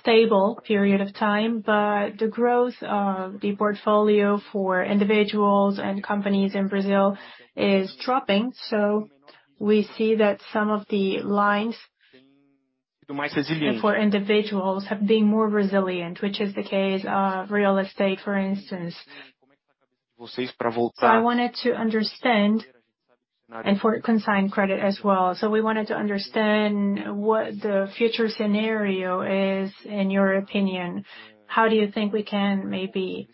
stable period of time. The growth of the portfolio for individuals and companies in Brazil is dropping. We see that some of the lines for individuals have been more resilient, which is the case of real estate, for instance. I wanted to understand. For consigned credit as well. We wanted to understand what the future scenario is, in your opinion. How do you think we can maybe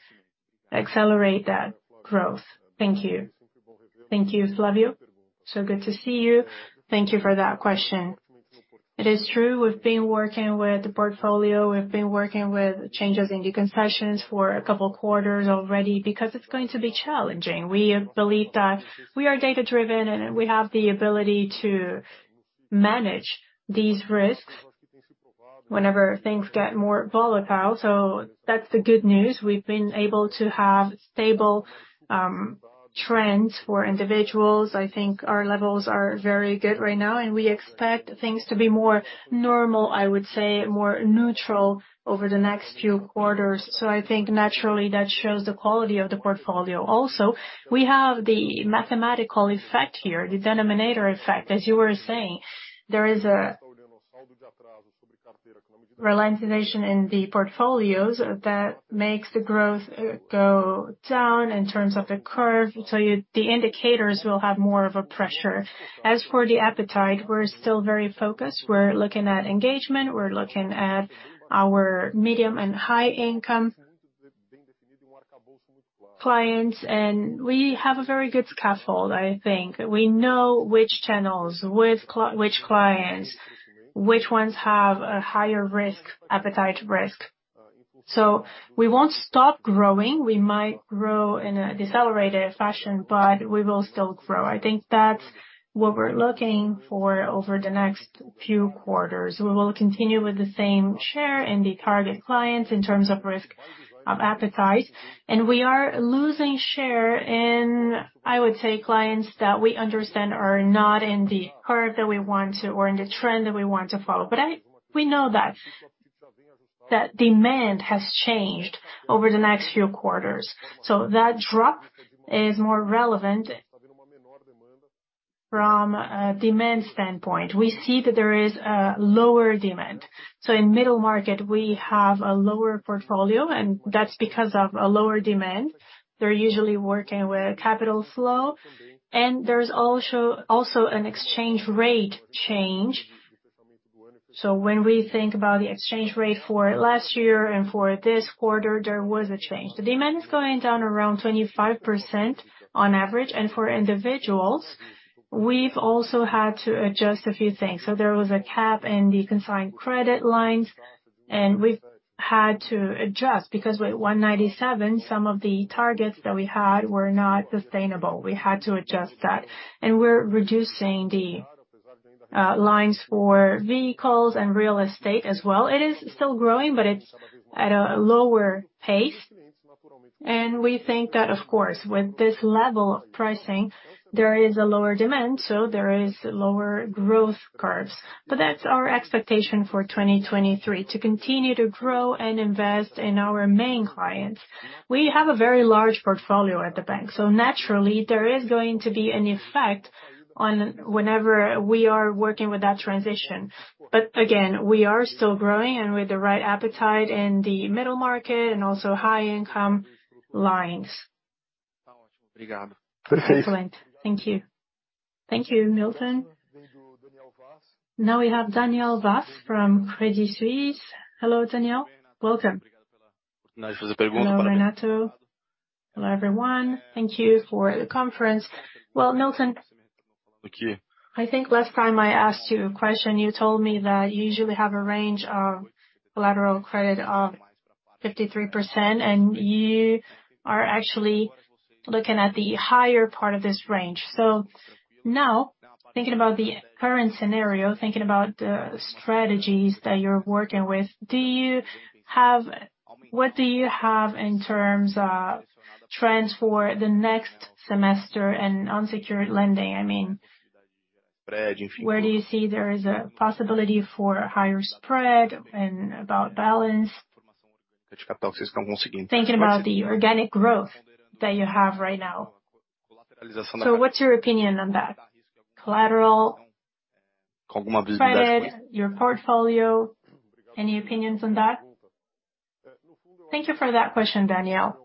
accelerate that growth? Thank you. Thank you, Flavio. Good to see you. Thank you for that question. It is true, we've been working with the portfolio, we've been working with changes in the concessions for a couple of quarters already because it's going to be challenging. We believe that we are data-driven and we have the ability to manage these risks whenever things get more volatile. That's the good news. We've been able to have stable trends for individuals. I think our levels are very good right now, and we expect things to be more normal, I would say, more neutral over the next few quarters. I think naturally that shows the quality of the portfolio. Also, we have the mathematical effect here, the denominator effect. As you were saying, there is a relevant innovation in the portfolios that makes the growth go down in terms of the curve. The indicators will have more of a pressure. As for the appetite, we're still very focused. We're looking at engagement. We're looking at our medium and high income clients, and we have a very good scaffold, I think. We know which channels, with which clients, which ones have a higher risk, appetite risk. We won't stop growing. We might grow in a decelerated fashion, but we will still grow. I think that's what we're looking for over the next few quarters. We will continue with the same share in the target clients in terms of risk of appetite. We are losing share in, I would say, clients that we understand are not in the curve that we want to, or in the trend that we want to follow. We know that demand has changed over the next few quarters. That drop is more relevant from a demand standpoint. We see that there is a lower demand. In middle market, we have a lower portfolio, and that's because of a lower demand. They're usually working with capital flow. There's also an exchange rate change. When we think about the exchange rate for last year and for this quarter, there was a change. The demand is going down around 25% on average. For individuals, we've also had to adjust a few things. There was a cap in the consigned credit lines, and we've had to adjust because with 1.97, some of the targets that we had were not sustainable. We had to adjust that. We're reducing the lines for vehicles and real estate as well. It is still growing, but it's at a lower pace. We think that, of course, with this level of pricing, there is a lower demand, so there is lower growth curves. That's our expectation for 2023, to continue to grow and invest in our main clients. We have a very large portfolio at the bank, so naturally, there is going to be an effect on whenever we are working with that transition. Again, we are still growing and with the right appetite in the middle market and also high income lines. Excellent. Thank you. Thank you, Milton. Now we have Daniel Vaz from Credit Suisse. Hello, Daniel. Welcome. Hello, Renato. Hello, everyone. Thank you for the conference. Well, Milton. Thank you. I think last time I asked you a question, you told me that you usually have a range of collateral credit of 53%, and you are actually looking at the higher part of this range. Now, thinking about the current scenario, thinking about the strategies that you're working with, What do you have in terms of trends for the next semester and unsecured lending? I mean, where do you see there is a possibility for higher spread and about balance? Thinking about the organic growth that you have right now. What's your opinion on that? Collateral, credit, your portfolio, any opinions on that? Thank you for that question, Daniel.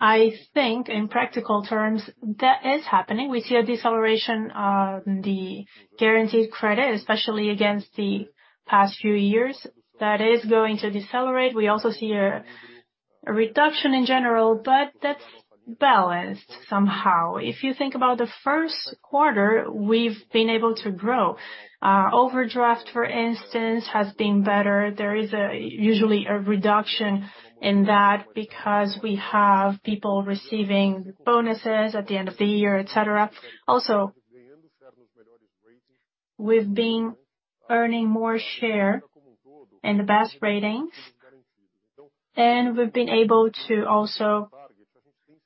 I think in practical terms, that is happening. We see a deceleration on the guaranteed credit, especially against the past few years. That is going to decelerate. We also see a reduction in general, but that's balanced somehow. If you think about the first quarter, we've been able to grow. Our overdraft, for instance, has been better. There is usually a reduction in that because we have people receiving bonuses at the end of the year, et cetera. Also, we've been earning more share in the best ratings, and we've been able to also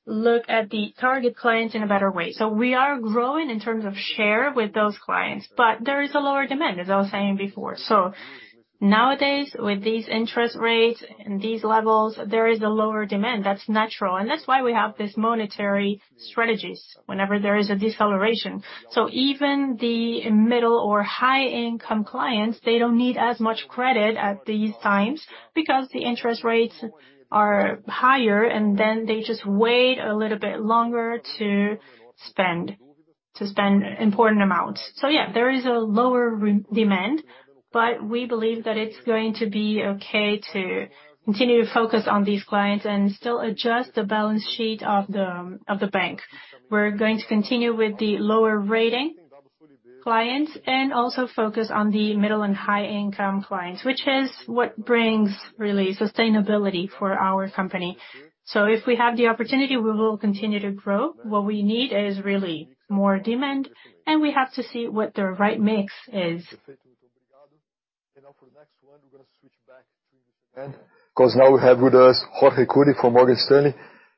look at the target clients in a better way. We are growing in terms of share with those clients, but there is a lower demand, as I was saying before. Nowadays, with these interest rates and these levels, there is a lower demand. That's natural. That's why we have these monetary strategies whenever there is a deceleration. Even the middle or high income clients, they don't need as much credit at these times because the interest rates are higher and then they just wait a little bit longer to spend, to spend important amounts. Yeah, there is a lower re-demand, but we believe that it's going to be okay to continue to focus on these clients and still adjust the balance sheet of the bank. We're going to continue with the lower rating clients and also focus on the middle and high income clients, which is what brings really sustainability for our company. If we have the opportunity, we will continue to grow. What we need is really more demand, and we have to see what the right mix is. Now for the next one, we're gonna switch back to English again, 'cause now we have with us Jorge Kuri from Morgan Stanley.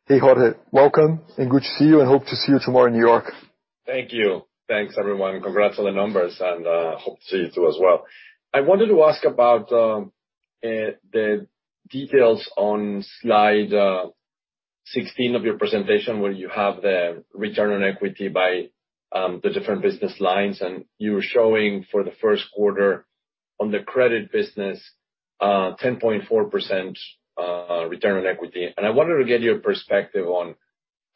Hey, Jorge. Welcome, and good to see you, and hope to see you tomorrow in New York. Thank you. Thanks, everyone. Congrats on the numbers and hope to see you too as well. I wanted to ask about the details on slide 16 of your presentation, where you have the return on equity by the different business lines, and you were showing for the first quarter on the credit business, 10.4% return on equity. I wanted to get your perspective on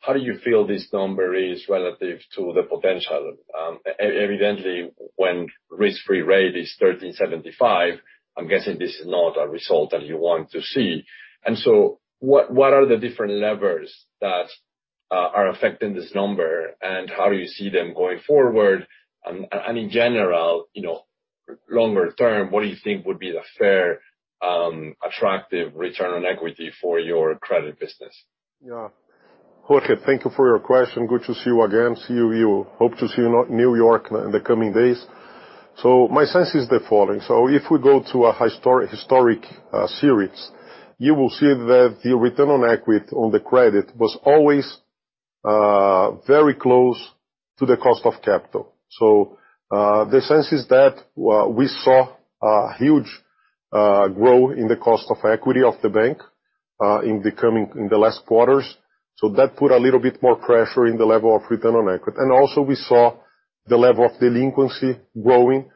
how do you feel this number is relative to the potential? Eventually, when risk-free rate is 13.75%, I'm guessing this is not a result that you want to see. What are the different levers that are affecting this number, and how do you see them going forward? In general, you know, longer term, what do you think would be the fair, attractive return on equity for your credit business? Jorge, thank you for your question. Good to see you again. Hope to see you in New York in the coming days. My sense is the following. If we go to a historic series, you will see that the return on equity on the credit was always very close to the cost of capital. The sense is that we saw a huge growth in the cost of equity of the bank in the last quarters. That put a little bit more pressure in the level of return on equity. Also we saw the level of delinquency growing,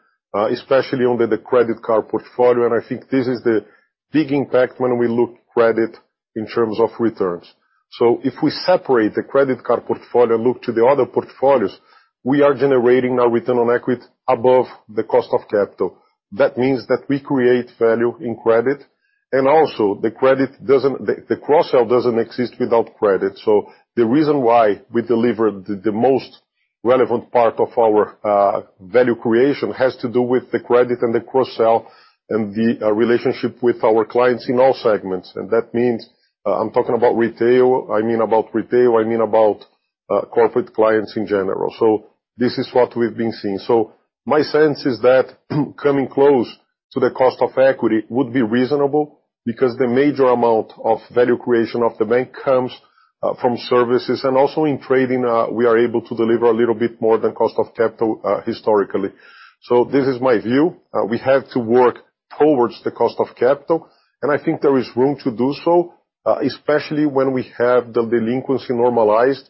especially on the credit card portfolio, and I think this is the big impact when we look credit in terms of returns. If we separate the credit card portfolio, look to the other portfolios, we are generating our return on equity above the cost of capital. That means that we create value in credit. Also, the cross-sell doesn't exist without credit. The reason why we deliver the most relevant part of our value creation has to do with the credit and the cross-sell and the relationship with our clients in all segments. That means, I'm talking about retail, I mean about retail, I mean about corporate clients in general. This is what we've been seeing. My sense is that coming close to the cost of equity would be reasonable because the major amount of value creation of the bank comes from services. Also in trading, we are able to deliver a little bit more than cost of capital historically. This is my view. We have to work towards the cost of capital, and I think there is room to do so, especially when we have the delinquency normalized.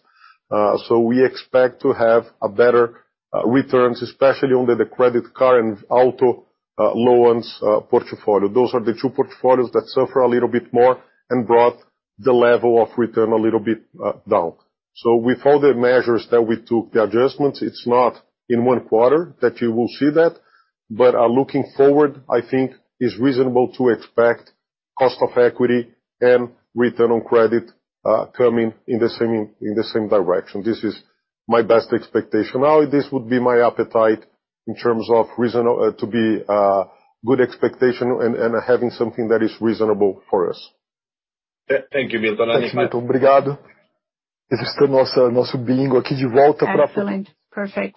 We expect to have a better returns, especially on the credit card and auto loans portfolio. Those are the two portfolios that suffer a little bit more and brought the level of return a little bit down. With all the measures that we took, the adjustments, it's not in one quarter that you will see that, but looking forward, I think it's reasonable to expect cost of equity and return on credit coming in the same, in the same direction. This is my best expectation. This would be my appetite in terms of reason to be good expectation and having something that is reasonable for us. Thank you, Milton. Excellent. Perfect.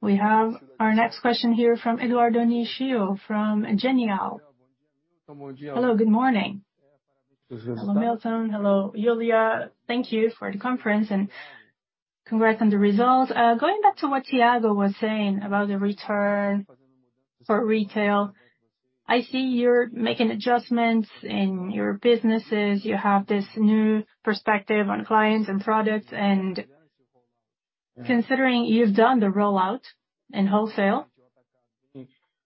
We have our next question here from Eduardo Nishio, from Genial. Hello, good morning. Hello, Milton. Hello, Lulia. Thank you for the conference and congrats on the results. Going back to what Thiago was saying about the return for retail, I see you're making adjustments in your businesses. You have this new perspective on clients and products. Considering you've done the rollout in wholesale,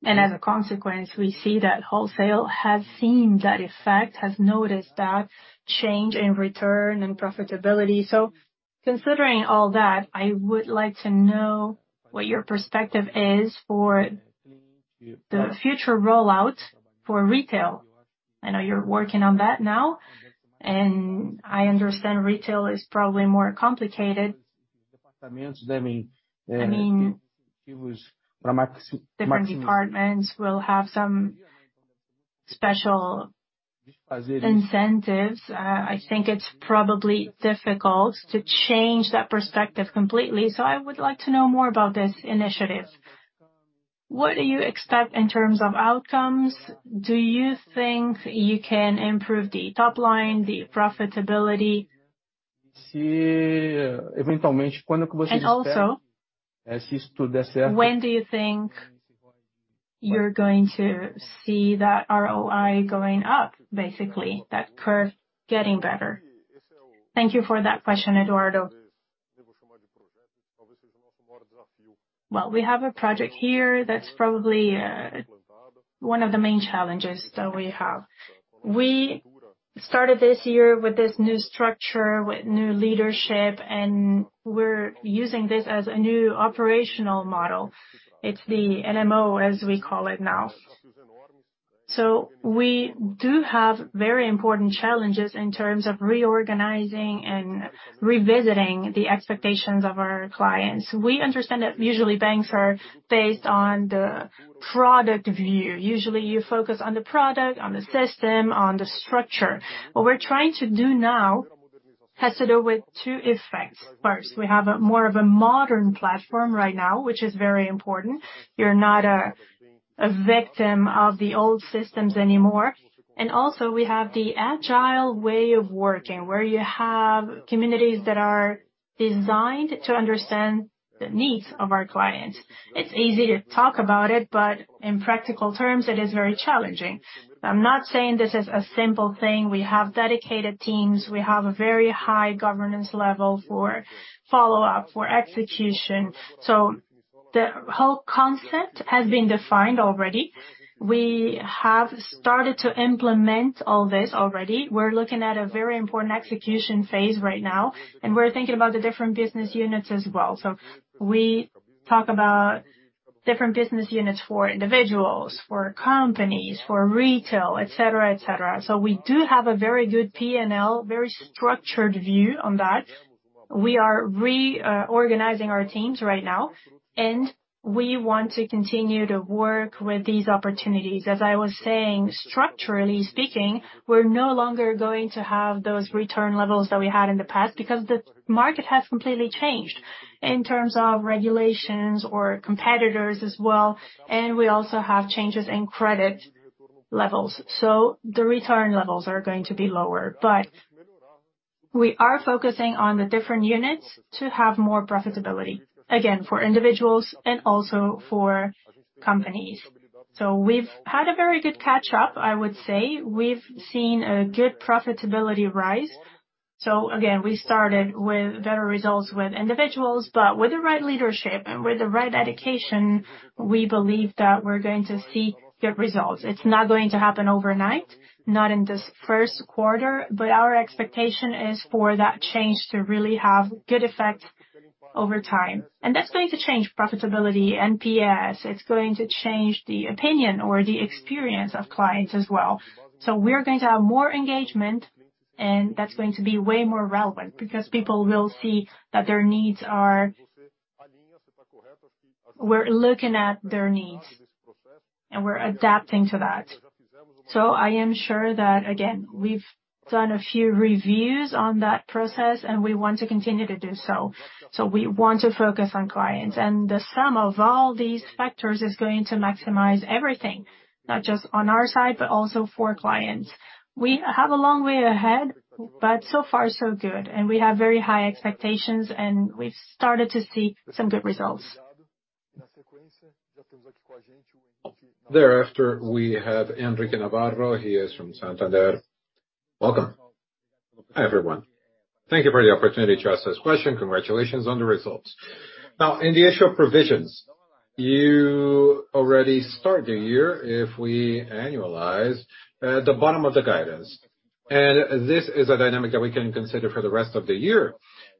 and as a consequence, we see that wholesale has seen that effect, has noticed that change in return and profitability. Considering all that, I would like to know what your perspective is for the future rollout for retail. I know you're working on that now, and I understand retail is probably more complicated. I mean, different departments will have some special incentives. I think it's probably difficult to change that perspective completely. I would like to know more about this initiative. What do you expect in terms of outcomes? Do you think you can improve the top line, the profitability? When do you think you're going to see that ROI going up, basically, that curve getting better? Thank you for that question, Eduardo. Well, we have a project here that's probably one of the main challenges that we have. We started this year with this new structure, with new leadership, and we're using this as a new operational model. It's the NIM, as we call it now. We do have very important challenges in terms of reorganizing and revisiting the expectations of our clients. We understand that usually banks are based on the product view. Usually, you focus on the product, on the system, on the structure. What we're trying to do now has to do with two effects. First, we have a more of a modern platform right now, which is very important. You're not a victim of the old systems anymore. Also, we have the agile way of working, where you have communities that are designed to understand the needs of our clients. It's easy to talk about it, but in practical terms, it is very challenging. I'm not saying this is a simple thing. We have dedicated teams. We have a very high governance level for follow-up, for execution. The whole concept has been defined already. We have started to implement all this already. We're looking at a very important execution phase right now, and we're thinking about the different business units as well. We talk about different business units for individuals, for companies, for retail, et cetera, et cetera. We do have a very good P&L, very structured view on that. We are organizing our teams right now, and we want to continue to work with these opportunities. As I was saying, structurally speaking, we're no longer going to have those return levels that we had in the past because the market has completely changed in terms of regulations or competitors as well, and we also have changes in credit levels. The return levels are going to be lower. We are focusing on the different units to have more profitability, again, for individuals and also for companies. We've had a very good catch-up, I would say. We've seen a good profitability rise. Again, we started with better results with individuals, but with the right leadership and with the right dedication, we believe that we're going to see good results. It's not going to happen overnight, not in this first quarter, our expectation is for that change to really have good effect over time. That's going to change profitability, NPS. It's going to change the opinion or the experience of clients as well. We're going to have more engagement, that's going to be way more relevant because people will see that We're looking at their needs, and we're adapting to that. I am sure that, again, we've done a few reviews on that process, and we want to continue to do so. We want to focus on clients. The sum of all these factors is going to maximize everything, not just on our side, but also for clients. We have a long way ahead, but so far so good. We have very high expectations, and we've started to see some good results. Thereafter, we have Henrique Navarro. He is from Santander. Welcome. Hi, everyone. Thank you for the opportunity to ask this question. Congratulations on the results. In the issue of provisions, you already start the year, if we annualize, the bottom of the guidance. This is a dynamic that we can consider for the rest of the year,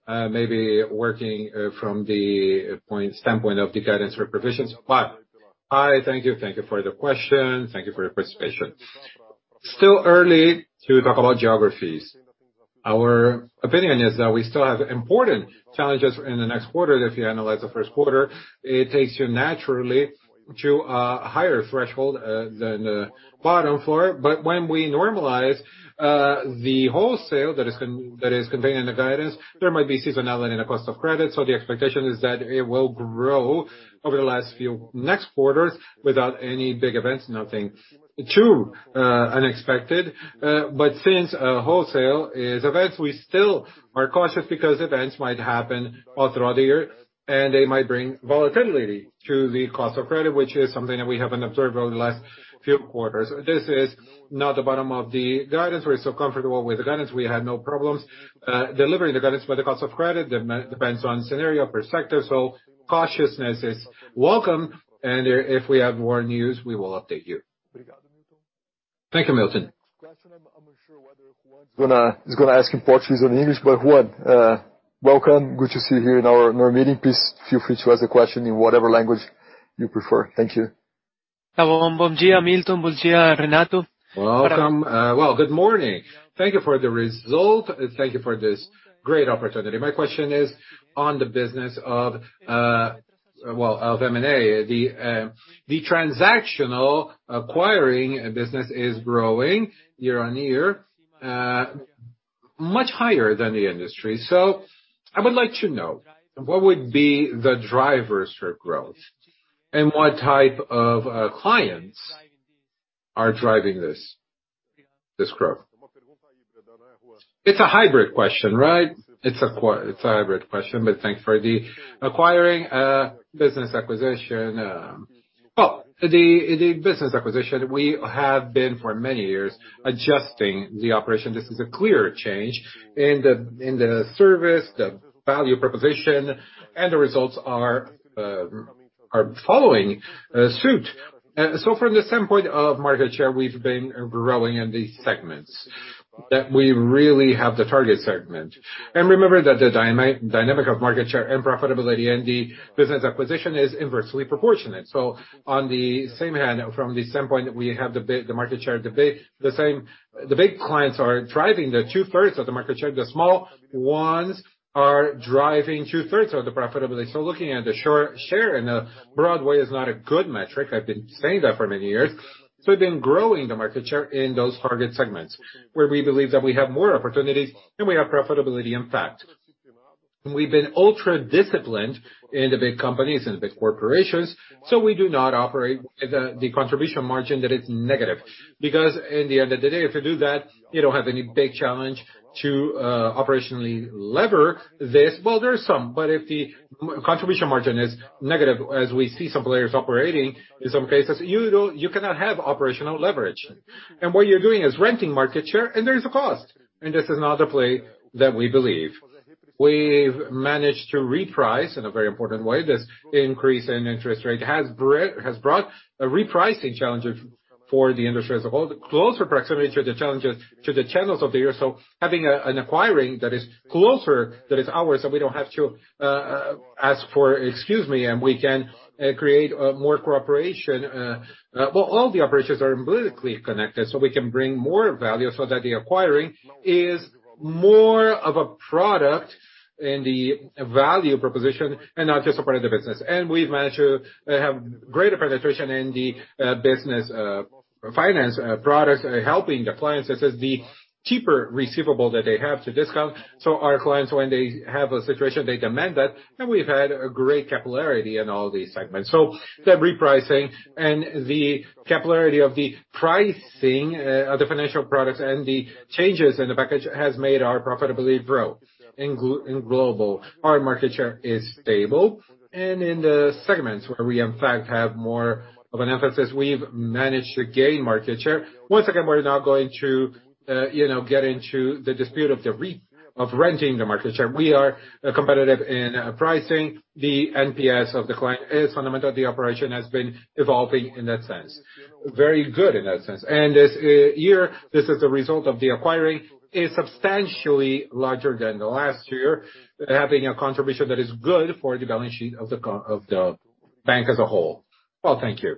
maybe working from the standpoint of the guidance for provisions. I thank you. Thank you for the question. Thank you for your participation. Still early to talk about geographies. Our opinion is that we still have important challenges in the next quarter. If you analyze the first quarter, it takes you naturally to a higher threshold than the bottom floor. When we normalize the wholesale that is conveyed in the guidance, there might be seasonality in the cost of credit. The expectation is that it will grow over the last few next quarters without any big events, nothing too unexpected. Since wholesale is events, we still are cautious because events might happen all throughout the year, and they might bring volatility to the cost of credit, which is something that we haven't observed over the last few quarters. This is not the bottom of the guidance. We're still comfortable with the guidance. We had no problems delivering the guidance. The cost of credit depends on scenario perspective, so cautiousness is welcome. If we have more news, we will update you. Thank you, Milton. He's gonna ask in Portuguese and English, Juan, welcome. Good to see you here in our meeting. Please feel free to ask the question in whatever language you prefer. Thank you. Hello. Bom dia, Milton. Bom dia, Renato. Welcome. Good morning. Thank you for the result, thank you for this great opportunity. My question is on the business of M&A. The transactional acquiring business is growing year-over-year, much higher than the industry. I would like to know what would be the drivers for growth and what type of clients are driving this growth. It's a hybrid question, right? It's a hybrid question, but thanks for the Acquiring business acquisition. The business acquisition, we have been for many years adjusting the operation. This is a clear change in the service, the value proposition, and the results are following suit. From the standpoint of market share, we've been growing in these segments, that we really have the target segment. Remember that the dynamic of market share and profitability in the business acquisition is inversely proportionate. On the same hand, from the standpoint that we have the big market share, the same big clients are driving the 2/3 of the market share. The small ones are driving 2/3 of the profitability. Looking at the share in a broad way is not a good metric. I've been saying that for many years. We've been growing the market share in those target segments, where we believe that we have more opportunities and we have profitability impact. We've been ultra disciplined in the big companies and big corporations, so we do not operate the contribution margin that is negative. Because in the end of the day, if you do that, you don't have any big challenge to operationally lever this. Well, there are some, but if the contribution margin is negative, as we see some players operating, in some cases, you don't, you cannot have operational leverage. What you're doing is renting market share, and there is a cost. This is not a play that we believe. We've managed to reprice in a very important way. This increase in interest rate has brought a repricing challenge of, for the industry as a whole. The closer proximity to the channels of the year, so having an acquiring that is closer, that is ours, and we don't have to ask for excuse me, and we can create more cooperation. Well, all the operations are vertically connected, so we can bring more value so that the acquiring is more of a product in the value proposition and not just a part of the business. We've managed to have greater penetration in the business finance products, helping the clients. This is the cheaper receivable that they have to discount. Our clients, when they have a situation, they demand that, and we've had a great capillarity in all these segments. The repricing and the capillarity of the pricing of the financial products and the changes in the package has made our profitability grow in global. Our market share is stable, and in the segments where we in fact have more of an emphasis, we've managed to gain market share. Once again, we're not going to, you know, get into the dispute of renting the market share. We are competitive in pricing. The NPS of the client is fundamental. The operation has been evolving in that sense. Very good in that sense. This, year, this is a result of the acquiring is substantially larger than the last year, having a contribution that is good for the balance sheet of the bank as a whole. Well, thank you.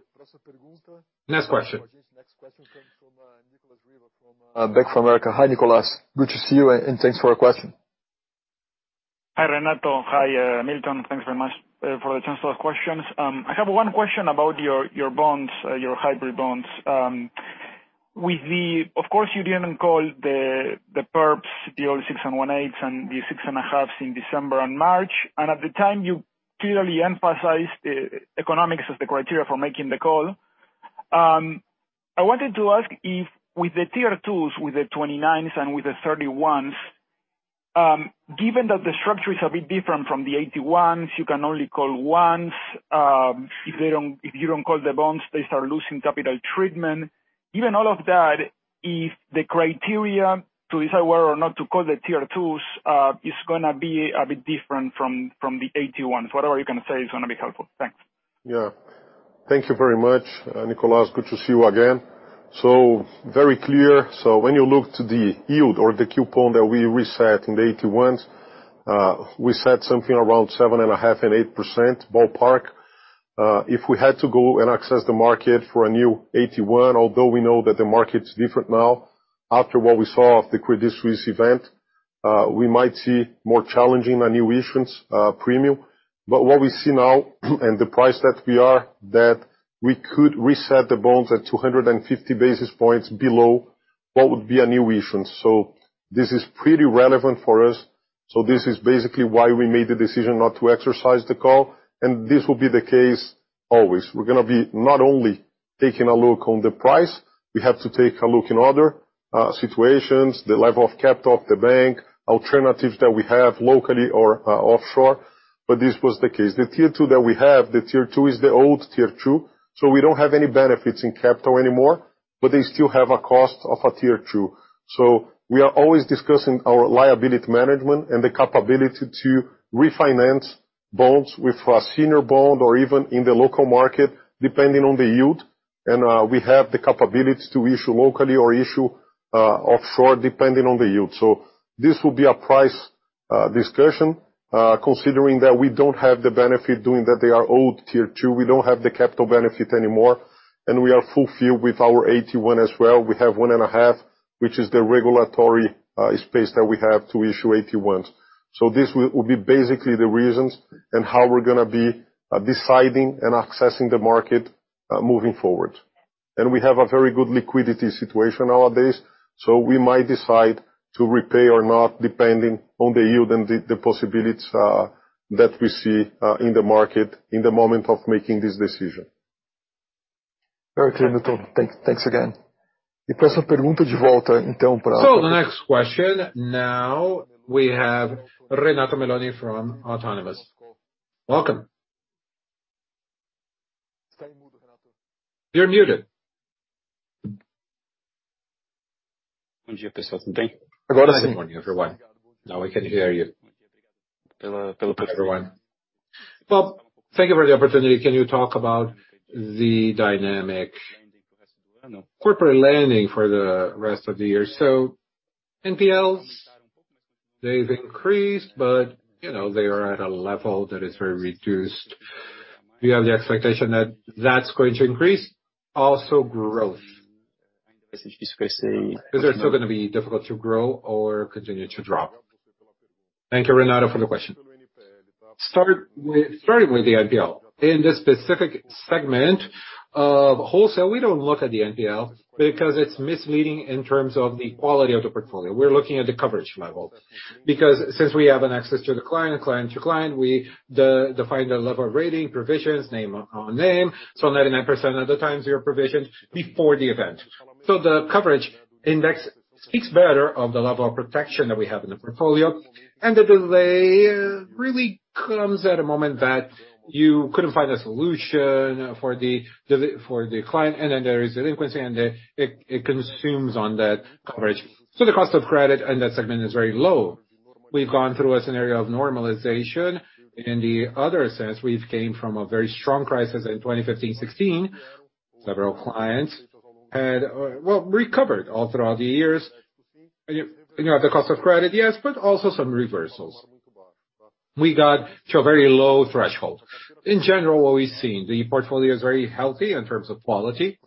Next question. Next question comes from Nicolas Riva from Bank of America. Hi, Nicolas. Good to see you, and thanks for your question. Hi, Renato. Hi, Milton. Thanks very much for the chance to ask questions. I have one question about your bonds, your hybrid bonds. Of course, you didn't call the perps, the old six and one-eighths and the six and a halves in December and March. At the time, you clearly emphasized e-economics as the criteria for making the call. I wanted to ask if with the Tier 2s, with the 29s and with the 31s, given that the structure is a bit different from the 81s, you can only call once, if you don't call the bonds, they start losing capital treatment. Given all of that, if the criteria to decide whether or not to call the Tier 2s is gonna be a bit different from the 81s. Whatever you can say is gonna be helpful. Thanks. Yeah. Thank you very much, Nicolas. Good to see you again. Very clear. When you look to the yield or the coupon that we reset in the 81s, we set something around 7.5% and 8% ballpark. If we had to go and access the market for a new 81s, although we know that the market's different now, after what we saw of the Credit Suisse event, we might see more challenging a new issuance, premium. What we see now, and the price that we are, that we could reset the bonds at 250 basis points below what would be a new issuance. This is pretty relevant for us. This is basically why we made the decision not to exercise the call, and this will be the case always. We're gonna be not only taking a look on the price, we have to take a look in other situations, the level of capital of the bank, alternatives that we have locally or offshore, this was the case. The Tier 2 that we have, the Tier 2 is the old Tier 2, so we don't have any benefits in capital anymore, but they still have a cost of a Tier 2. We are always discussing our liability management and the capability to refinance bonds with a senior bond or even in the local market, depending on the yield. We have the capability to issue locally or issue offshore depending on the yield. This will be a price discussion considering that we don't have the benefit doing that they are old Tier 2, we don't have the capital benefit anymore, and we are fulfilled with our 81s as well. We have 1.5, which is the regulatory space that we have to issue 81s. This will be basically the reasons and how we're gonna be deciding and accessing the market moving forward. We have a very good liquidity situation nowadays, so we might decide to repay or not, depending on the yield and the possibilities that we see in the market in the moment of making this decision. Very clear, Milton. Thanks again. The next question, now we have Renato Meloni from Autonomous. Welcome. You're muted. Good morning, everyone. Now I can hear you. Everyone. Well, thank you for the opportunity. Can you talk about the dynamic, you know, corporate lending for the rest of the year? NPLs, they've increased, but, you know, they are at a level that is very reduced. We have the expectation that that's going to increase. Also growth. Is it still gonna be difficult to grow or continue to drop? Thank you, Renato, for the question. Starting with the NPL. In this specific segment of wholesale, we don't look at the NPL because it's misleading in terms of the quality of the portfolio. We're looking at the coverage level. Since we have an access to the client to client, we de-define the level of rating, provisions, name on name, 99% of the times they are provisioned before the event. The coverage index speaks better of the level of protection that we have in the portfolio, and the delay really comes at a moment that you couldn't find a solution for the client, and then there is delinquency, and it consumes on that coverage. The cost of credit in that segment is very low. We've gone through a scenario of normalization. In the other sense, we've came from a very strong crisis in 2015, 2016. Several clients had, well, recovered all throughout the years. You know, the cost of credit, yes, but also some reversals. We got to a very low threshold. In general, what we've seen, the portfolio is very healthy in terms of quality.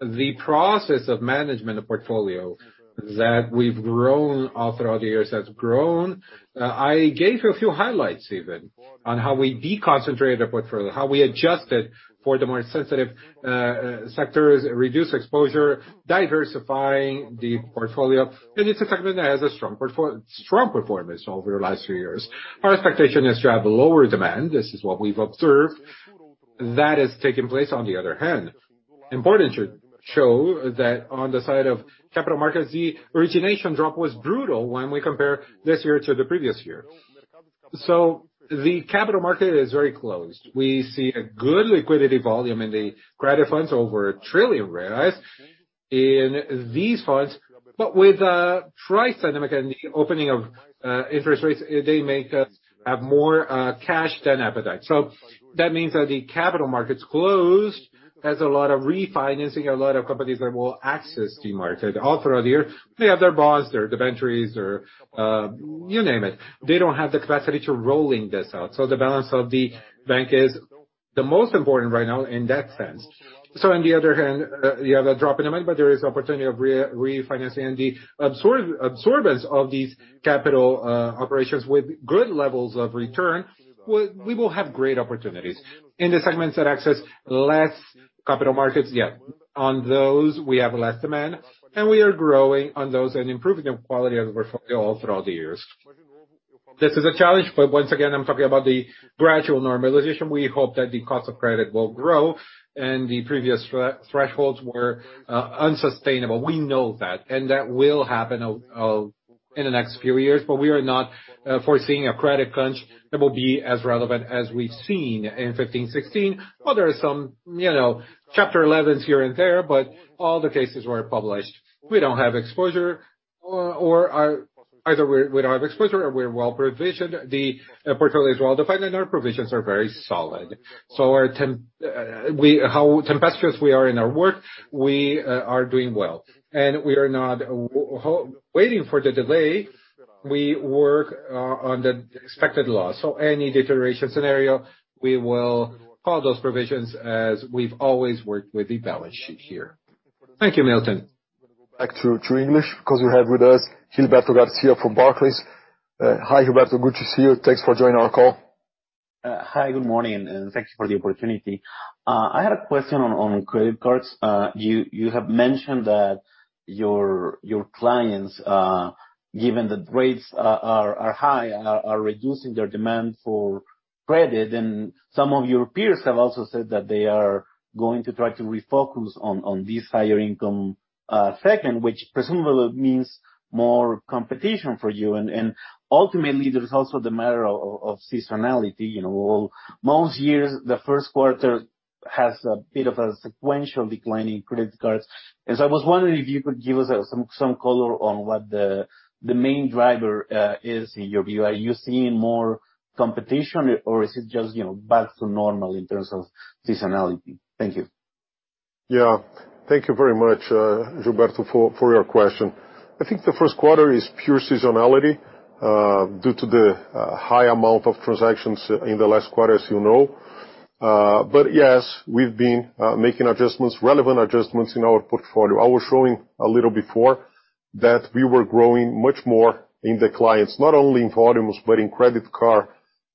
The process of management of portfolio that we've grown all throughout the years has grown. I gave you a few highlights even on how we deconcentrate the portfolio, how we adjusted for the more sensitive sectors, reduce exposure, diversifying the portfolio, and it's a segment that has a strong performance over the last few years. Our expectation is to have a lower demand. This is what we've observed. That has taken place, on the other hand. Important to show that on the side of capital markets, the origination drop was brutal when we compare this year to the previous year. The capital market is very closed. We see a good liquidity volume in the credit funds, over 1 trillion reais in these funds, but with a price dynamic and the opening of interest rates, they make us have more cash than appetite. That means that the capital market's closed. There's a lot of refinancing, a lot of companies that will access the market all throughout the year. They have their bonds, their debentures, their, you name it. They don't have the capacity to rolling this out. The balance of the bank is the most important right now in that sense. On the other hand, you have a drop in the demand, but there is opportunity of re-refinancing and the absorbance of these capital operations with good levels of return. We will have great opportunities. In the segments that access less capital markets, on those, we have less demand. We are growing on those and improving the quality of the portfolio all throughout the years. This is a challenge. Once again, I'm talking about the gradual normalization. We hope that the cost of credit will grow. The previous thresholds were unsustainable. We know that. That will happen over in the next few years. We are not foreseeing a credit crunch that will be as relevant as we've seen in 15, 16. There are some, you know, Chapter 11s here and there. All the cases were published. We don't have exposure or either we don't have exposure or we're well-provisioned. The portfolio is well-defined. Our provisions are very solid. Our, how tempestuous we are in our work, we are doing well. We are not waiting for the delay. We work on the expected loss. Any deterioration scenario, we will call those provisions as we've always worked with the balance sheet here. Thank you, Milton. Back to English, because we have with Gilberto Garcia from Barclays. Hi, Gilberto, good to see you. Thanks for joining our call. Hi, good morning, and thanks for the opportunity. I had a question on credit cards. You have mentioned that your clients, given the rates are high are reducing their demand for credit. Some of your peers have also said that they are going to try to refocus on this higher income segment, which presumably means more competition for you. Ultimately, there's also the matter of seasonality. You know, most years, the first quarter has a bit of a sequential decline in credit cards. I was wondering if you could give us some color on what the main driver is in your view. Are you seeing more competition or is it just, you know, back to normal in terms of seasonality? Thank you. Yeah. Thank you very much, Gilberto, for your question. I think the first quarter is pure seasonality, due to the high amount of transactions in the last quarter, as you know. Yes, we've been making adjustments, relevant adjustments in our portfolio. I was showing a little before that we were growing much more in the clients, not only in volumes, but in credit card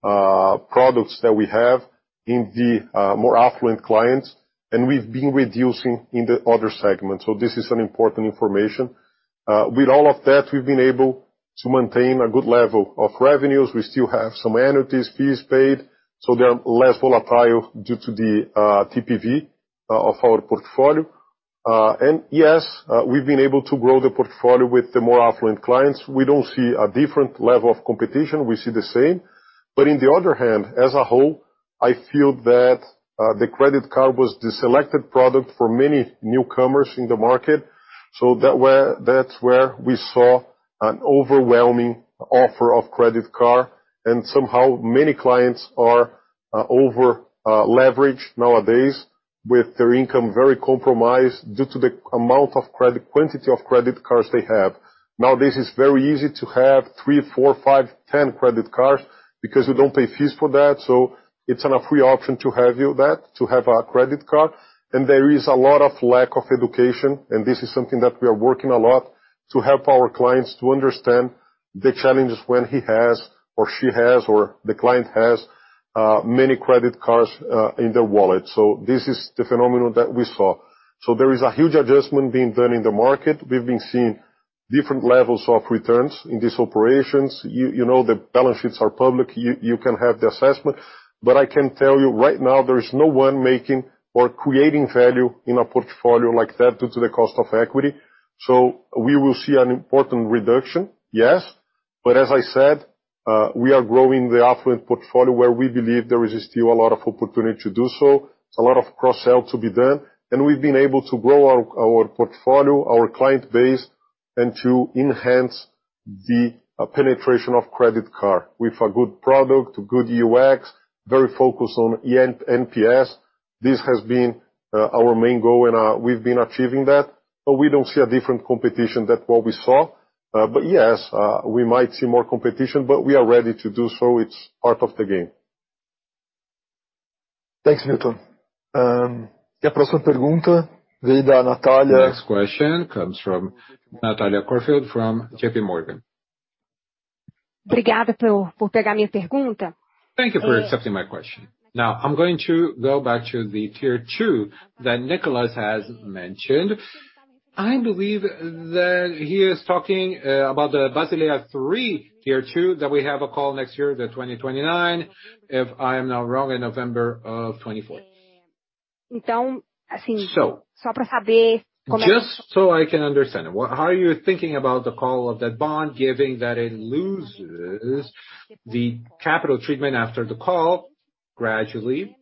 products that we have in the more affluent clients, and we've been reducing in the other segments. This is an important information. With all of that, we've been able to maintain a good level of revenues. We still have some annuities, fees paid, so they're less volatile due to the TPV of our portfolio. Yes, we've been able to grow the portfolio with the more affluent clients. We don't see a different level of competition. We see the same. In the other hand, as a whole, I feel that the credit card was the selected product for many newcomers in the market. That's where we saw an overwhelming offer of credit card, and somehow many clients are over leveraged nowadays with their income very compromised due to the amount of credit, quantity of credit cards they have. Nowadays, it's very easy to have three, four, five, 10 credit cards because you don't pay fees for that, so it's on a free option to have a credit card. There is a lot of lack of education, this is something that we are working a lot to help our clients to understand the challenges when he has, or she has, or the client has many credit cards in their wallet. This is the phenomenon that we saw. There is a huge adjustment being done in the market. We've been seeing different levels of returns in these operations. You know, the balance sheets are public, you can have the assessment. I can tell you right now, there is no one making or creating value in a portfolio like that due to the cost of equity. We will see an important reduction, yes. As I said, we are growing the affluent portfolio where we believe there is still a lot of opportunity to do so, a lot of cross-sell to be done. We've been able to grow our portfolio, our client base, and to enhance the penetration of credit card with a good product, good UX, very focused on NPS. This has been our main goal and we've been achieving that, but we don't see a different competition than what we saw. Yes, we might see more competition, but we are ready to do so. It's part of the game. Thanks, Milton. Next question comes from Natalia Corfield from J.P. Morgan. Thank you for accepting my question. Now, I'm going to go back to the Tier 2 that Nicolas has mentioned. I believe that he is talking about the Basel III Tier 2, that we have a call next year, the 2029, if I am not wrong, in November of 24th. Just so I can understand. How are you thinking about the call of that bond, given that it loses the capital treatment after the call gradually,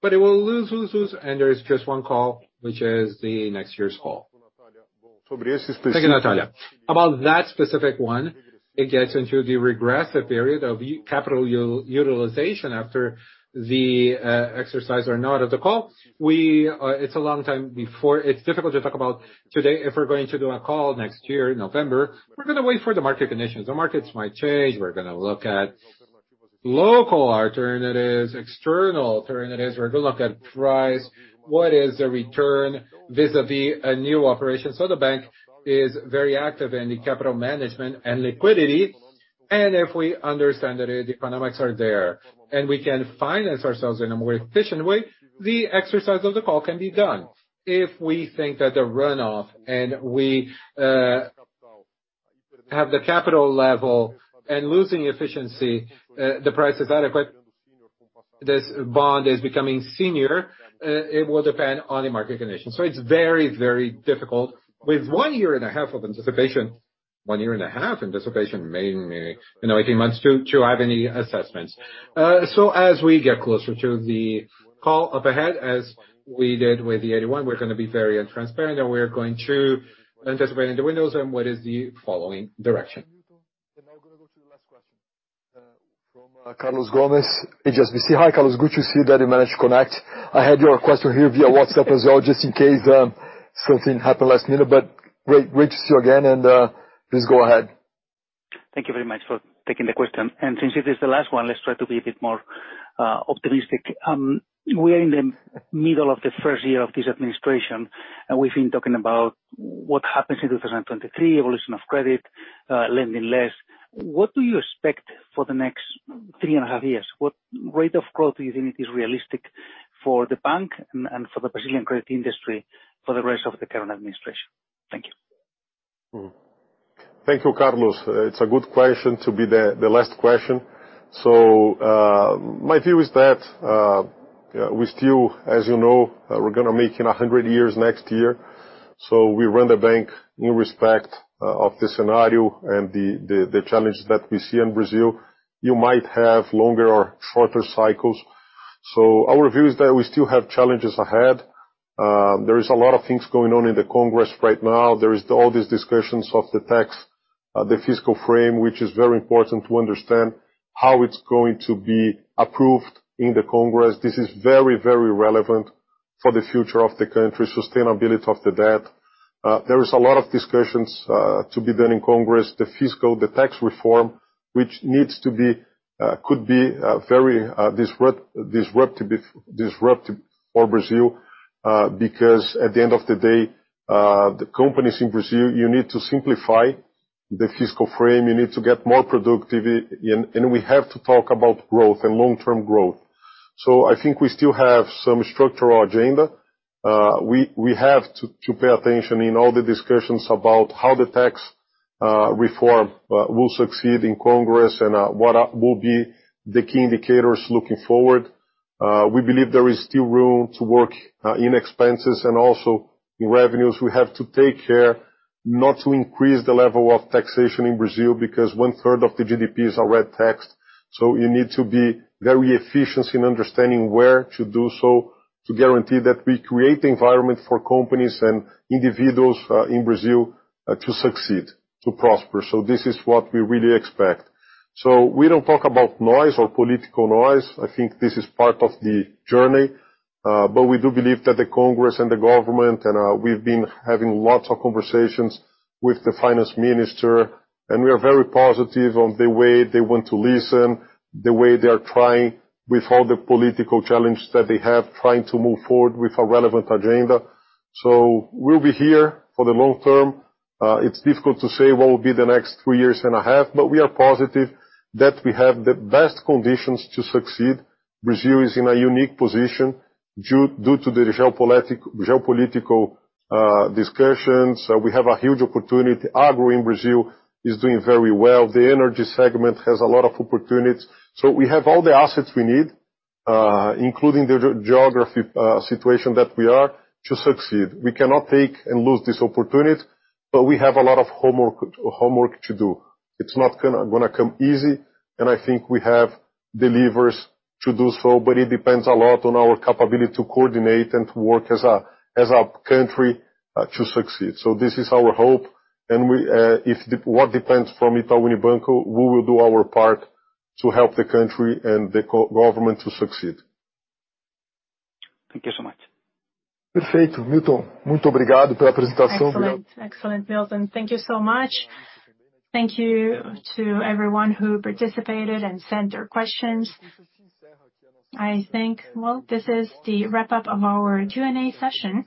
but it will lose, and there is just one call, which is the next year's call. Thank you, Natalia. About that specific one, it gets into the regressive period of capital utilization after the exercise or not of the call. We, it's a long time before. It's difficult to talk about today if we're gonna do a call next year in November. We're gonna wait for the market conditions. The markets might change. We're gonna look at local alternatives, external alternatives. We're gonna look at price, what is the return vis-a-vis a new operation. The bank is very active in the capital management and liquidity, and if we understand that the economics are there, and we can finance ourselves in a more efficient way, the exercise of the call can be done. If we think that the runoff and we have the capital level and losing efficiency, the price is adequate, this bond is becoming senior, it will depend on the market conditions. It's very, very difficult. With one year and a half of anticipation, one year and a half anticipation, mainly, you know, 18 months to have any assessments. As we get closer to the call up ahead, as we did with the 81, we're gonna be very transparent, and we are going to anticipate in the windows and what is the following direction. Now we're gonna go to the last question from Carlos Gomez-Lopez, HSBC. Hi, Carlos, good to see you that you managed to connect. I had your question here via WhatsApp as well, just in case something happened last minute, but great to see you again, and please go ahead. Thank you very much for taking the question. Since it is the last one, let's try to be a bit more optimistic. We are in the middle of the first year of this administration, we've been talking about what happens in 2023, evolution of credit, lending less. What do you expect for the next three and a half years? What rate of growth do you think is realistic for the bank and for the Brazilian credit industry for the rest of the current administration? Thank you. Thank you, Carlos. It's a good question to be the last question. My view is that, we still, as you know, we're gonna make it 100 years next year. We run the bank in respect of the scenario and the challenges that we see in Brazil. You might have longer or shorter cycles. Our view is that we still have challenges ahead. There is a lot of things going on in the Congress right now. There is all these discussions of the tax, the fiscal frame, which is very important to understand how it's going to be approved in the Congress. This is very relevant for the future of the country, sustainability of the debt. There is a lot of discussions to be done in Congress, the fiscal, the tax reform, which needs to be, could be very disruptive for Brazil. Because at the end of the day, the companies in Brazil, you need to simplify the fiscal frame. You need to get more productivity and we have to talk about growth and long-term growth. I think we still have some structural agenda. We have to pay attention in all the discussions about how the tax reform will succeed in Congress and what will be the key indicators looking forward. We believe there is still room to work in expenses and also in revenues. We have to take care not to increase the level of taxation in Brazil because 1/3 of the GDP is already taxed. You need to be very efficient in understanding where to do so to guarantee that we create the environment for companies and individuals in Brazil to succeed, to prosper. This is what we really expect. We don't talk about noise or political noise. I think this is part of the journey. But we do believe that the Congress and the government, we've been having lots of conversations with the finance minister, and we are very positive on the way they want to listen, the way they are trying with all the political challenge that they have, trying to move forward with a relevant agenda. We'll be here for the long term. It's difficult to say what will be the next two years and a half, but we are positive that we have the best conditions to succeed. Brazil is in a unique position due to the geopolitical discussions. We have a huge opportunity. Agro in Brazil is doing very well. The energy segment has a lot of opportunities. We have all the assets we need, including the geography situation that we are to succeed. We cannot take and lose this opportunity, but we have a lot of homework to do. It's not gonna come easy, and I think we have the levers to do so, but it depends a lot on our capability to coordinate and to work as a country to succeed. This is our hope, and we, what depends from Itaú Unibanco, we will do our part to help the country and the co-government to succeed. Thank you so much. Excellent. Excellent, Milton. Thank you so much. Thank you to everyone who participated and sent their questions. I think, well, this is the wrap-up of our Q&A session.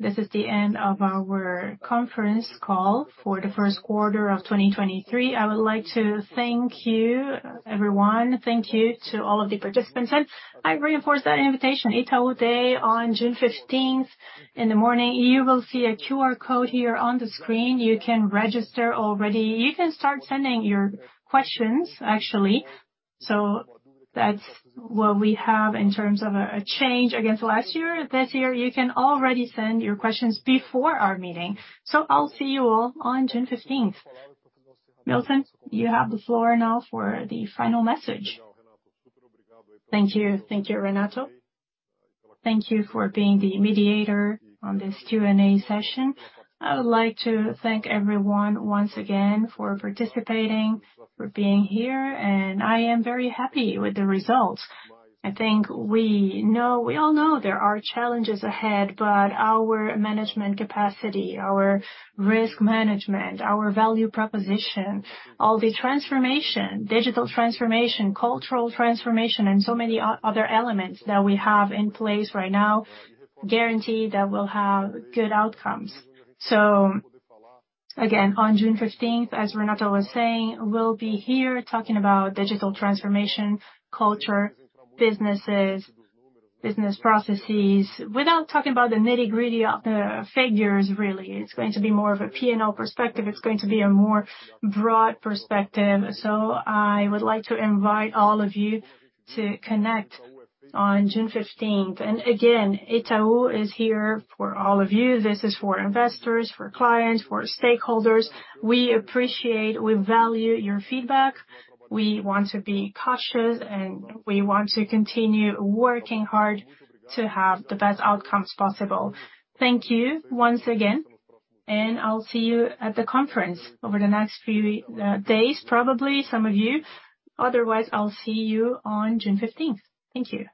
This is the end of our conference call for the first quarter of 2023. I would like to thank you, everyone. Thank you to all of the participants. I reinforce that invitation, Itaú Day on June 15th in the morning. You will see a QR code here on the screen. You can register already. You can start sending your questions, actually. That's what we have in terms of a change against last year. This year, you can already send your questions before our meeting. I'll see you all on June 15th. Milton, you have the floor now for the final message. Thank you. Thank you, Renato. Thank you for being the mediator on this Q&A session. I would like to thank everyone once again for participating, for being here. I am very happy with the results. I think we know, we all know there are challenges ahead. Our management capacity, our risk management, our value proposition, all the transformation, digital transformation, cultural transformation, and so many other elements that we have in place right now guarantee that we'll have good outcomes. Again, on June 15th, as Renato was saying, we'll be here talking about digital transformation, culture, businesses, business processes. Without talking about the nitty-gritty of the figures, really, it's going to be more of a P&L perspective. It's going to be a more broad perspective. I would like to invite all of you to connect on June 15th. Again, Itaú is here for all of you. This is for investors, for clients, for stakeholders. We appreciate, we value your feedback. We want to be cautious, and we want to continue working hard to have the best outcomes possible. Thank you once again, and I'll see you at the conference over the next few days, probably some of you. Otherwise, I'll see you on June 15th. Thank you.